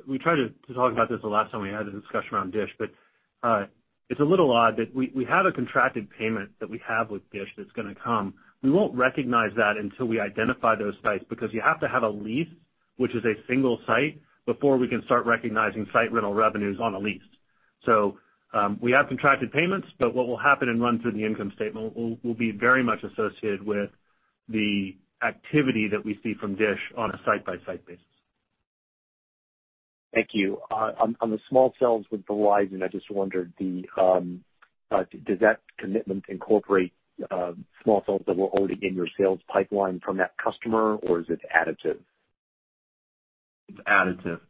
we tried to talk about this the last time we had a discussion around DISH, it's a little odd that we have a contracted payment that we have with DISH that's going to come. We won't recognize that until we identify those sites, you have to have a lease, which is a single site, before we can start recognizing site rental revenues on a lease. We have contracted payments, what will happen and run through the income statement will be very much associated with the activity that we see from DISH on a site-by-site basis. Thank you. On the small cells with Verizon, I just wondered, does that commitment incorporate small cells that were already in your sales pipeline from that customer, or is this additive? It's additive.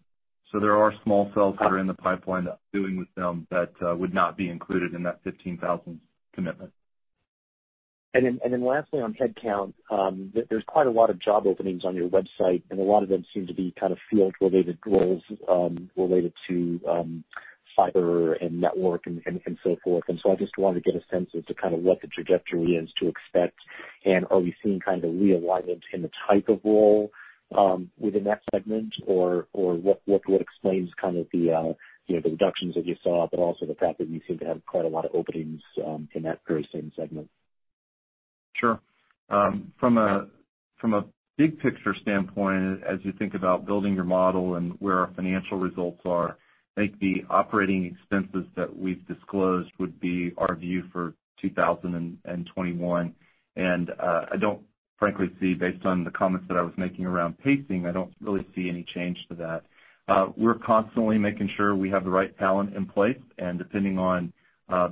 There are small cells that are in the pipeline that doing with them that would not be included in that 15,000 commitment. Lastly on headcount, there's quite a lot of job openings on your website, and a lot of them seem to be kind of field-related roles, related to fiber and network and so forth. I just wanted to get a sense as to kind of what the trajectory is to expect, and are we seeing kind of realignment in the type of role within that segment? What explains the reductions that you saw, but also the fact that you seem to have quite a lot of openings in that very same segment? Sure. From a big picture standpoint, as you think about building your model and where our financial results are, I think the operating expenses that we've disclosed would be our view for 2021. Frankly, I don't frankly see, based on the comments that I was making around pacing, I don't really see any change to that. We're constantly making sure we have the right talent in place, and depending on the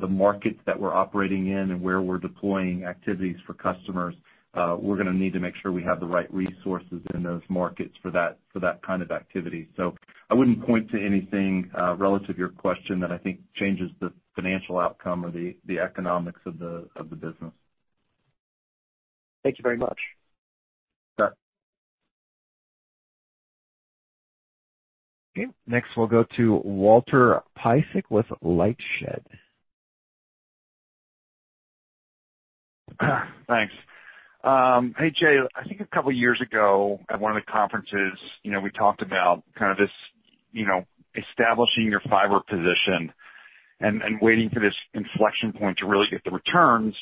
markets that we're operating in and where we're deploying activities for customers, we're going to need to make sure we have the right resources in those markets for that kind of activity. I wouldn't point to anything relative to your question that I think changes the financial outcome or the economics of the business. Thank you very much. Sure. Okay, next we'll go to Walter Piecyk with LightShed. Thanks. Hey, Jay. I think a couple of years ago at one of the conferences, we talked about kind of this, establishing your fiber position and waiting for this inflection point to really get the returns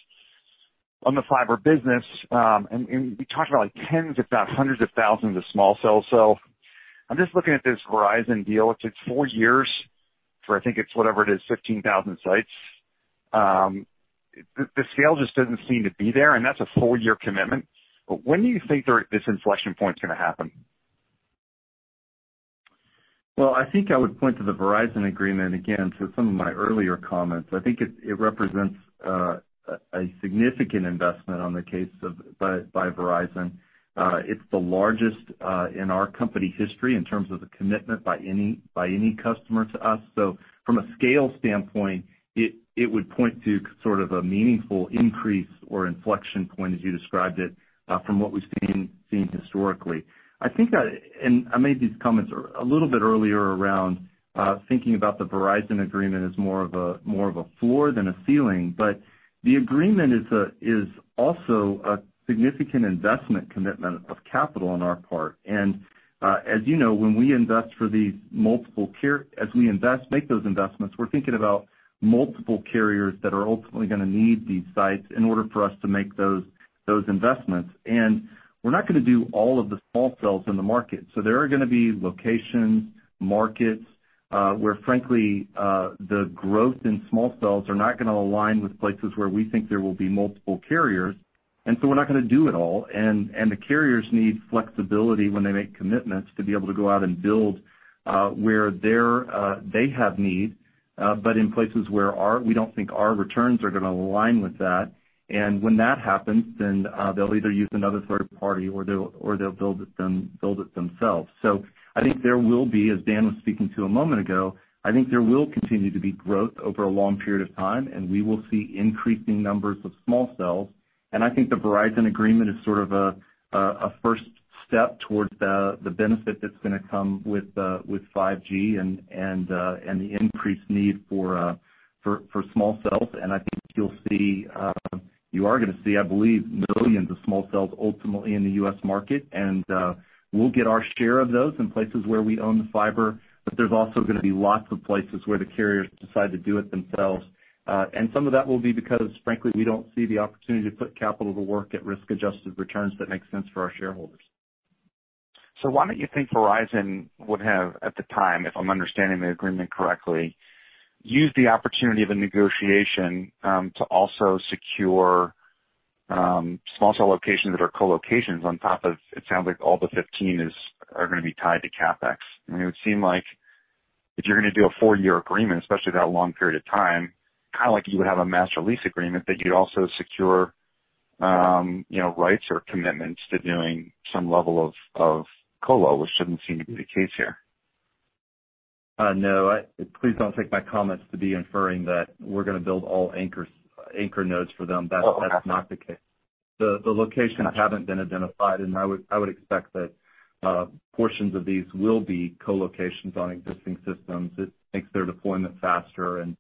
on the fiber business. We talked about tens, if not hundreds of thousands of small cells. I'm just looking at this Verizon deal. It takes four years for, I think it's whatever it is, 15,000 sites. The scale just doesn't seem to be there, and that's a four-year commitment. When do you think this inflection point's going to happen? Well, I think I would point to the Verizon agreement again, to some of my earlier comments. I think it represents a significant investment on the case by Verizon. It's the largest in our company history in terms of the commitment by any customer to us. From a scale standpoint, it would point to sort of a meaningful increase or inflection point, as you described it, from what we've seen historically. I think, and I made these comments a little bit earlier around, thinking about the Verizon agreement as more of a floor than a ceiling, but the agreement is also a significant investment commitment of capital on our part. As you know, as we make those investments, we're thinking about multiple carriers that are ultimately going to need these sites in order for us to make those investments. We're not going to do all of the small cells in the market. There are going to be locations, markets, where frankly, the growth in small cells are not going to align with places where we think there will be multiple carriers, and so we're not going to do it all. The carriers need flexibility when they make commitments to be able to go out and build, where they have need, but in places where we don't think our returns are going to align with that. When that happens, they'll either use another third party or they'll build it themselves. I think there will be, as Dan was speaking to a moment ago, I think there will continue to be growth over a long period of time, and we will see increasing numbers of small cells. I think the Verizon agreement is sort of a first step towards the benefit that's going to come with 5G and the increased need for small cells. I think you are going to see, I believe, millions of small cells ultimately in the U.S. market. We'll get our share of those in places where we own the fiber, but there's also going to be lots of places where the carriers decide to do it themselves. Some of that will be because, frankly, we don't see the opportunity to put capital to work at risk-adjusted returns that make sense for our shareholders. Why don't you think Verizon would have, at the time, if I'm understanding the agreement correctly, used the opportunity of a negotiation to also secure small cell locations that are co-locations on top of, it sounds like all but 15 are going to be tied to CapEx. I mean, it would seem like if you're going to do a four-year agreement, especially that long period of time, kind of like you would have a Master Lease Agreement, but you could also secure rights or commitments to doing some level of co-lo, which doesn't seem to be the case here? No. Please don't take my comments to be inferring that we're going to build all anchor nodes for them. Oh, okay. That's not the case. The locations haven't been identified, and I would expect that portions of these will be co-locations on existing systems. It makes their deployment faster and.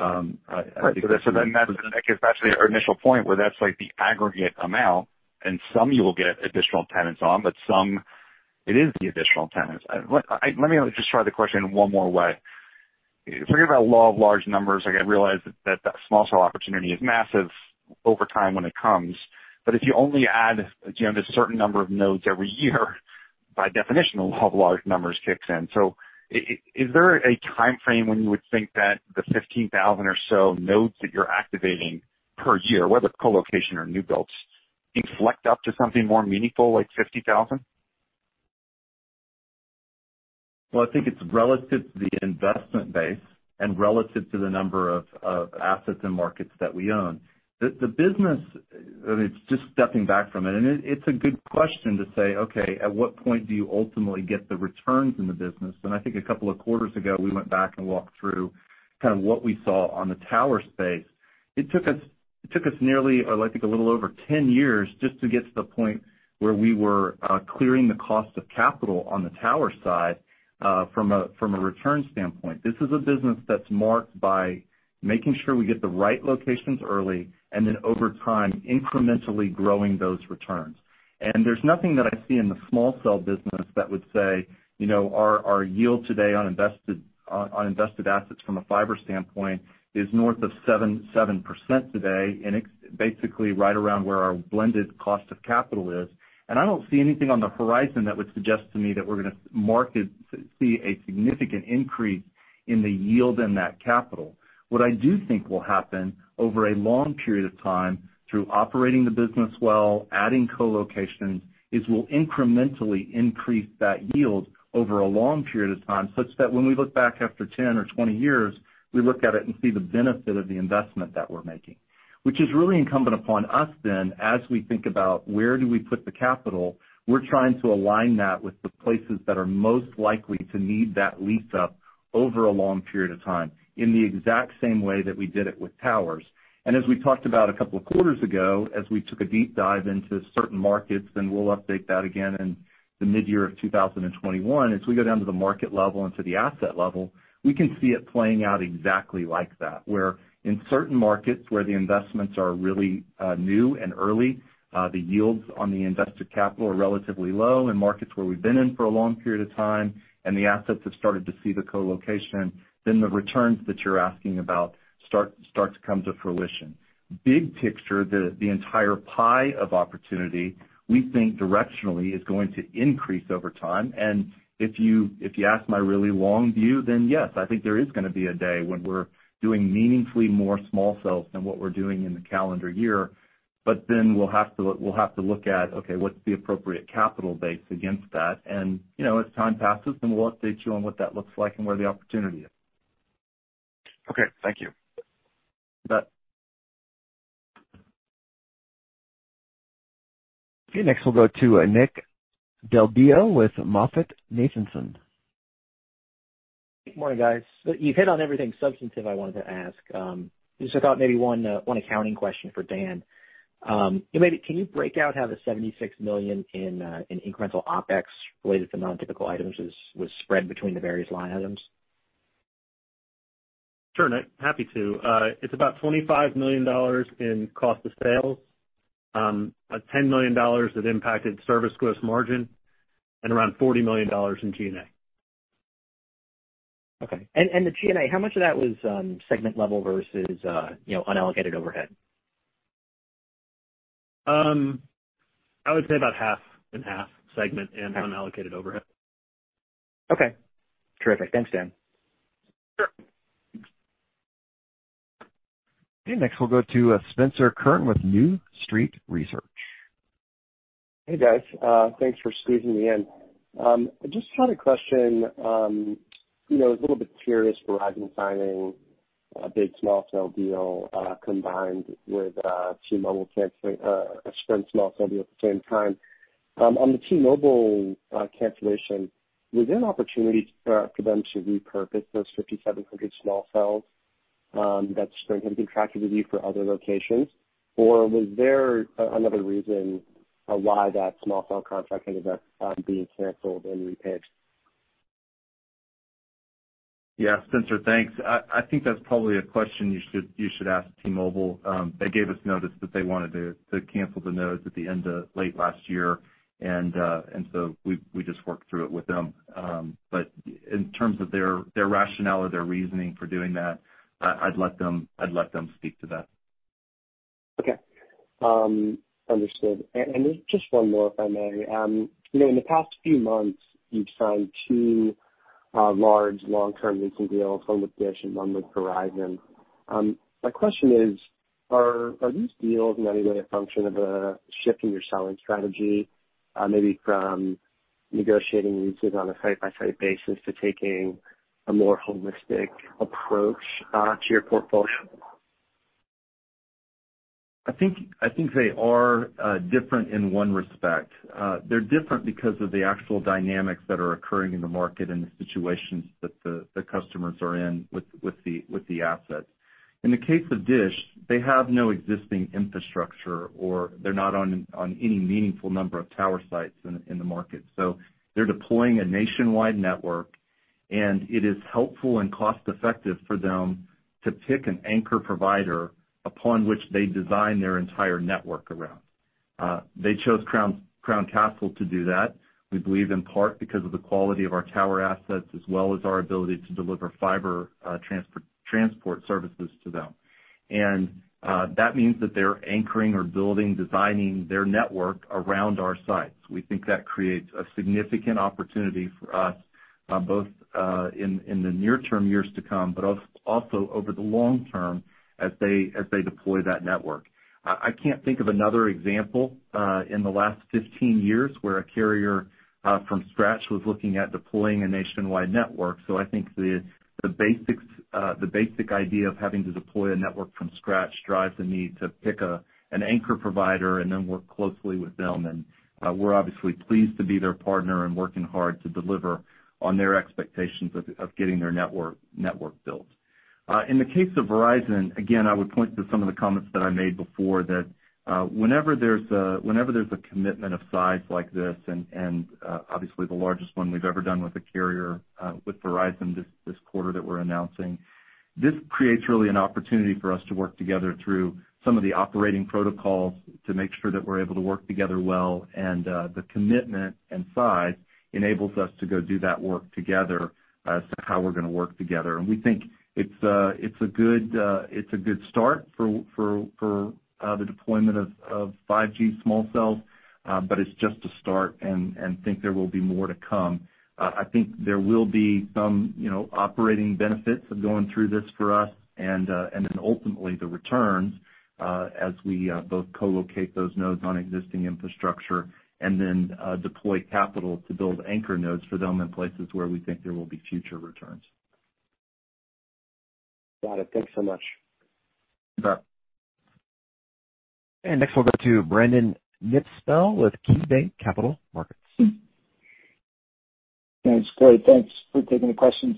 Right. That's going to make it back to the initial point where that's like the aggregate amount and some you will get additional tenants on, but some it is the additional tenants. Let me just try the question one more way. Forget about law of large numbers. Like, I realize that that small cell opportunity is massive over time when it comes, but if you only add a certain number of nodes every year, by definition, the law of large numbers kicks in. Is there a timeframe when you would think that the 15,000 or so nodes that you're activating per year, whether it's co-location or new builds, inflect up to something more meaningful, like 50,000? Well, I think it's relative to the investment base and relative to the number of assets and markets that we own. The business, I mean, just stepping back from it, and it's a good question to say, okay, at what point do you ultimately get the returns in the business? I think a couple of quarters ago, we went back and walked through kind of what we saw on the tower space. It took us nearly, or I think a little over 10 years just to get to the point where we were clearing the cost of capital on the tower side from a return standpoint. This is a business that's marked by making sure we get the right locations early, and then over time, incrementally growing those returns. There's nothing that I see in the small cell business that would say, our yield today on invested assets from a fiber standpoint is north of 7% today, and basically right around where our blended cost of capital is. I don't see anything on the horizon that would suggest to me that we're going to see a significant increase in the yield in that capital. What I do think will happen over a long period of time through operating the business well, adding co-location, is we'll incrementally increase that yield over a long period of time, such that when we look back after 10 or 20 years, we look at it and see the benefit of the investment that we're making. Which is really incumbent upon us then, as we think about where do we put the capital, we're trying to align that with the places that are most likely to need that lease up over a long period of time, in the exact same way that we did it with towers. As we talked about a couple of quarters ago, as we took a deep dive into certain markets, then we'll update that again in the midyear of 2021. As we go down to the market level and to the asset level, we can see it playing out exactly like that. Where in certain markets where the investments are really new and early, the yields on the invested capital are relatively low. In markets where we've been in for a long period of time and the assets have started to see the co-location, the returns that you're asking about start to come to fruition. Big picture, the entire pie of opportunity, we think directionally is going to increase over time. If you ask my really long view, yes, I think there is going to be a day when we're doing meaningfully more small cells than what we're doing in the calendar year. We'll have to look at, okay, what's the appropriate capital base against that? As time passes, we'll update you on what that looks like and where the opportunity is. Okay, thank you. You bet. Okay, next we'll go to Nick Del Deo with MoffettNathanson. Good morning, guys. You've hit on everything substantive I wanted to ask. Just I thought maybe one accounting question for Dan. Maybe can you break out how the $76 million in incremental OpEx related to non-typical items was spread between the various line items? Sure, Nick, happy to. It is about $25 million in cost of sales, $10 million that impacted service gross margin, and around $40 million in G&A. Okay. The G&A, how much of that was segment level versus unallocated overhead? I would say about half and half, segment and unallocated overhead. Okay, terrific. Thanks, Dan. Sure. Okay, next we'll go to Spencer Kurn with New Street Research. Hey, guys. Thanks for squeezing me in. I just had a question. I was a little bit curious, Verizon signing a big small cell deal, combined with T-Mobile canceling a Sprint small cell deal at the same time. On the T-Mobile cancellation, was there an opportunity for them to repurpose those 5,700 small cells that Sprint had contracted with you for other locations? Was there another reason why that small cell contract ended up being canceled and repaid? Yeah, Spencer, thanks. I think that's probably a question you should ask T-Mobile. They gave us notice that they wanted to cancel the nodes at the end of late last year. We just worked through it with them. In terms of their rationale or their reasoning for doing that, I'd let them speak to that. Okay. Understood. Just one more, if I may. In the past few months, you've signed two large long-term leasing deals, one with DISH and one with Verizon. My question is, are these deals in any way a function of a shift in your selling strategy? Maybe from negotiating leases on a site-by-site basis to taking a more holistic approach to your portfolio? I think they are different in one respect. They're different because of the actual dynamics that are occurring in the market and the situations that the customers are in with the assets. In the case of DISH, they have no existing infrastructure, or they're not on any meaningful number of tower sites in the market. They're deploying a nationwide network, and it is helpful and cost-effective for them to pick an anchor provider upon which they design their entire network around. They chose Crown Castle to do that, we believe in part because of the quality of our tower assets as well as our ability to deliver fiber transport services to them. That means that they're anchoring or building, designing their network around our sites. We think that creates a significant opportunity for us, both in the near-term years to come, but also over the long term as they deploy that network. I can't think of another example in the last 15 years where a carrier from scratch was looking at deploying a nationwide network. I think the basic idea of having to deploy a network from scratch drives the need to pick an anchor provider and then work closely with them. We're obviously pleased to be their partner and working hard to deliver on their expectations of getting their network built. In the case of Verizon, again, I would point to some of the comments that I made before, that whenever there's a commitment of size like this and obviously the largest one we've ever done with a carrier, with Verizon this quarter that we're announcing. This creates really an opportunity for us to work together through some of the operating protocols to make sure that we're able to work together well, and the commitment and size enables us to go do that work together as to how we're gonna work together. We think it's a good start for the deployment of 5G small cells, but it's just a start and think there will be more to come. I think there will be some operating benefits of going through this for us and then ultimately the returns as we both co-locate those nodes on existing infrastructure and then deploy capital to build anchor nodes for them in places where we think there will be future returns. Got it. Thanks so much. No problem. Next we'll go to Brandon Nispel with KeyBanc Capital Markets. Thanks, Jay. Thanks for taking the questions.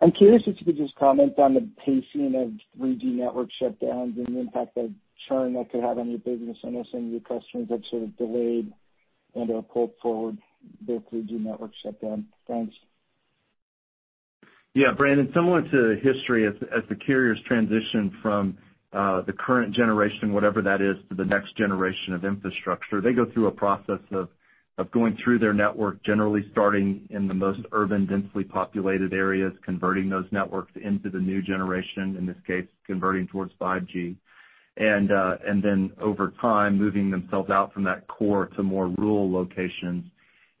I'm curious if you could just comment on the pacing of 3G network shutdowns and the impact of churn that could have on your business. I know some of your customers have sort of delayed and/or pulled forward their 3G network shutdown. Thanks. Yeah, Brandon, similar to history, as the carriers transition from the current generation, whatever that is, to the next generation of infrastructure, they go through a process of going through their network, generally starting in the most urban, densely populated areas, converting those networks into the new generation, in this case, converting towards 5G. Over time, moving themselves out from that core to more rural locations.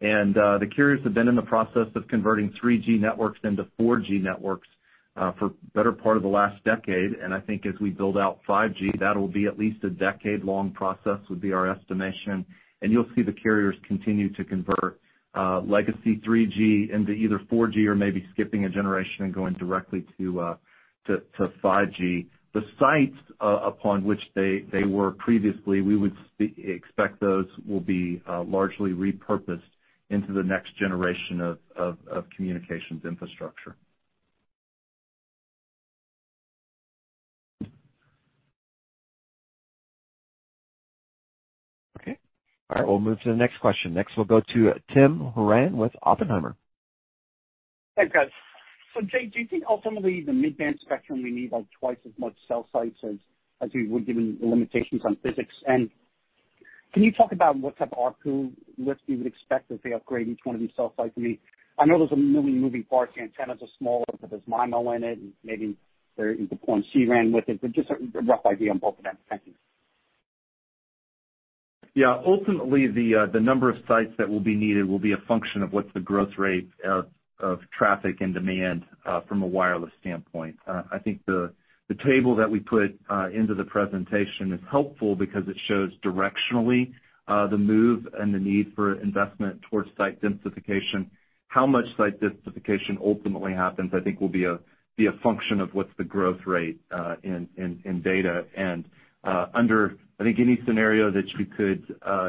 The carriers have been in the process of converting 3G networks into 4G networks, for the better part of the last decade. I think as we build out 5G, that will be at least a decade-long process, would be our estimation. You'll see the carriers continue to convert, legacy 3G into either 4G or maybe skipping a generation and going directly to 5G. The sites, upon which they were previously, we would expect those will be largely repurposed into the next generation of communication infrastructure. Okay. All right, we'll move to the next question. Next, we'll go to Tim Horan with Oppenheimer. Thanks, guys. Jay, do you think ultimately the mid-band spectrum will need like twice as much cell sites as we would, given the limitations on physics? Can you talk about what type of ARPU lifts you would expect as they upgrade each one of these cell sites? I mean, I know there's a million moving parts. The antennas are smaller, but there's MIMO in it, and maybe there is a point C-RAN with it, just a rough idea on both of them. Thank you. Yeah, ultimately, the number of sites that will be needed will be a function of what's the growth rate of traffic and demand, from a wireless standpoint. I think the table that we put into the presentation is helpful because it shows directionally the move and the need for investment towards site densification. How much site densification ultimately happens, I think, will be a function of what's the growth rate in data. I think any scenario that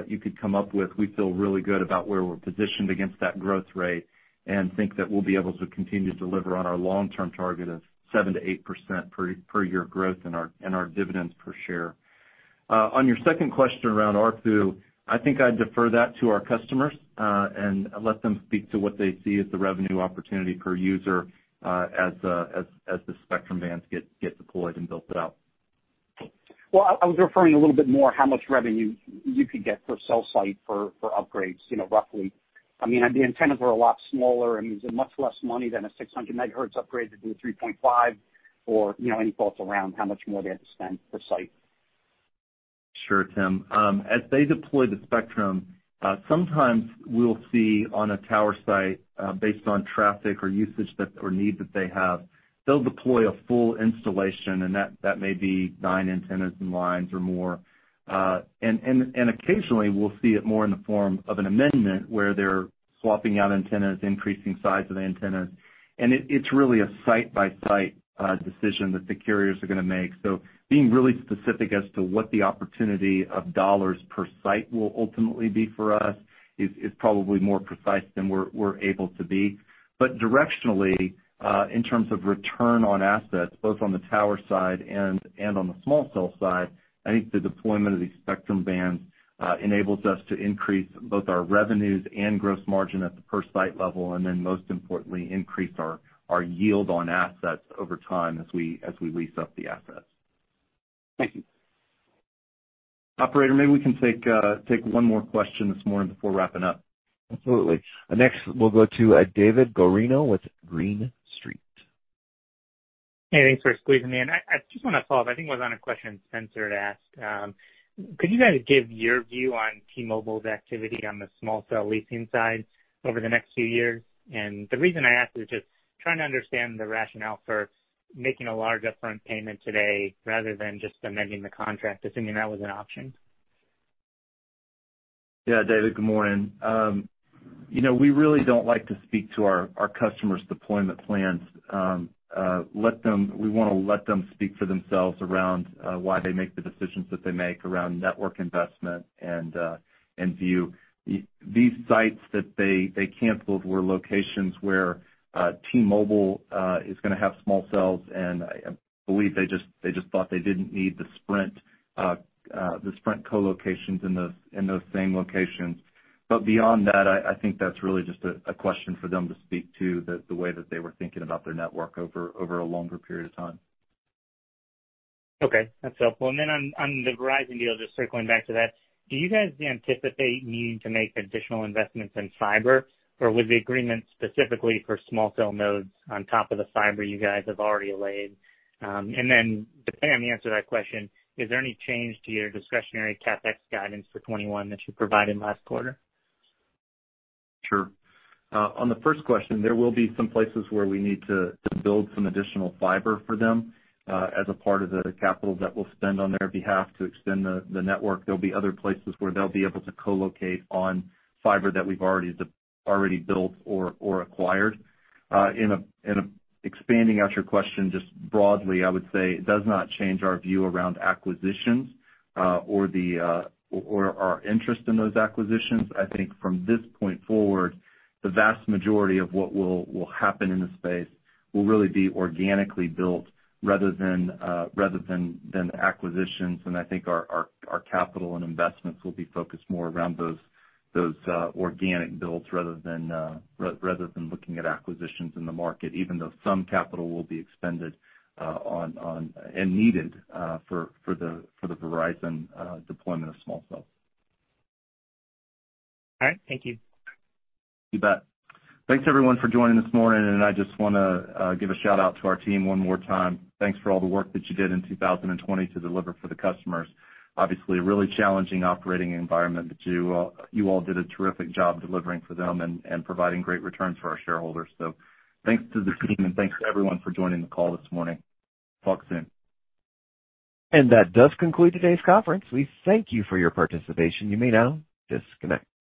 you could come up with, we feel really good about where we're positioned against that growth rate and think that we'll be able to continue to deliver on our long-term target of 7% to 8% per year growth in our dividends per share. On your second question around ARPU, I think I'd defer that to our customers, and let them speak to what they see as the revenue opportunity per user, as the spectrum bands get deployed and built out. Well, I was referring a little bit more how much revenue you could get per cell site for upgrades, you know, roughly. I mean, the antennas are a lot smaller and much less money than a 600 MHz upgrade to do 3.5 or, you know, any thoughts around how much more they have to spend per site. Sure, Tim. As they deploy the spectrum, sometimes we'll see on a tower site, based on traffic or usage that or need that they have, they'll deploy a full installation, and that may be nine antennas and lines or more. Occasionally, we'll see it more in the form of an amendment where they're swapping out antennas, increasing size of the antennas, and it's really a site-by-site decision that the carriers are gonna make. Being really specific as to what the opportunity of dollars per site will ultimately be for us is probably more precise than we're able to be. Directionally, in terms of return on assets, both on the tower side and on the small cell side, I think the deployment of these spectrum bands, enables us to increase both our revenues and gross margin at the per site level, and then most importantly, increase our yield on assets over time as we lease up the assets. Thank you. Operator, maybe we can take one more question this morning before wrapping up. Absolutely. Next, we'll go to David Guarino with Green Street. Hey, thanks for squeezing me in. I just want to follow up, I think it was on a question Spencer had asked. Could you guys give your view on T-Mobile's activity on the small cell leasing side over the next few years? The reason I ask is just trying to understand the rationale for making a large upfront payment today rather than just amending the contract, assuming that was an option. Yeah, David, good morning. You know, we really don't like to speak to our customers' deployment plans. We wanna let them speak for themselves around why they make the decisions that they make around network investment and view. These sites that they canceled were locations where T-Mobile is gonna have small cells, and I believe they just thought they didn't need the Sprint co-locations in those same locations. Beyond that, I think that's really just a question for them to speak to, the way that they were thinking about their network over a longer period of time. Okay, that's helpful. On the Verizon deal, just circling back to that, do you guys anticipate needing to make additional investments in fiber, or was the agreement specifically for small cell nodes on top of the fiber you guys have already laid? Depending on the answer to that question, is there any change to your discretionary CapEx guidance for 2021 that you provided last quarter? Sure. On the first question, there will be some places where we need to build some additional fiber for them, as a part of the capital that we'll spend on their behalf to extend the network. There'll be other places where they'll be able to co-locate on fiber that we've already built or acquired. In expanding out your question just broadly, I would say it does not change our view around acquisitions, or our interest in those acquisitions. I think from this point forward, the vast majority of what will happen in the space will really be organically built rather than acquisitions. I think our capital and investments will be focused more around those organic builds rather than looking at acquisitions in the market, even though some capital will be expended and needed for the Verizon deployment of small cells. All right. Thank you. You bet. Thanks, everyone, for joining this morning, and I just wanna give a shout-out to our team one more time. Thanks for all the work that you did in 2020 to deliver for the customers. Obviously, a really challenging operating environment, but you all did a terrific job delivering for them and providing great returns for our shareholders. Thanks to the team, and thanks to everyone for joining the call this morning. Talk soon. That does conclude today's conference. We thank you for your participation. You may now disconnect.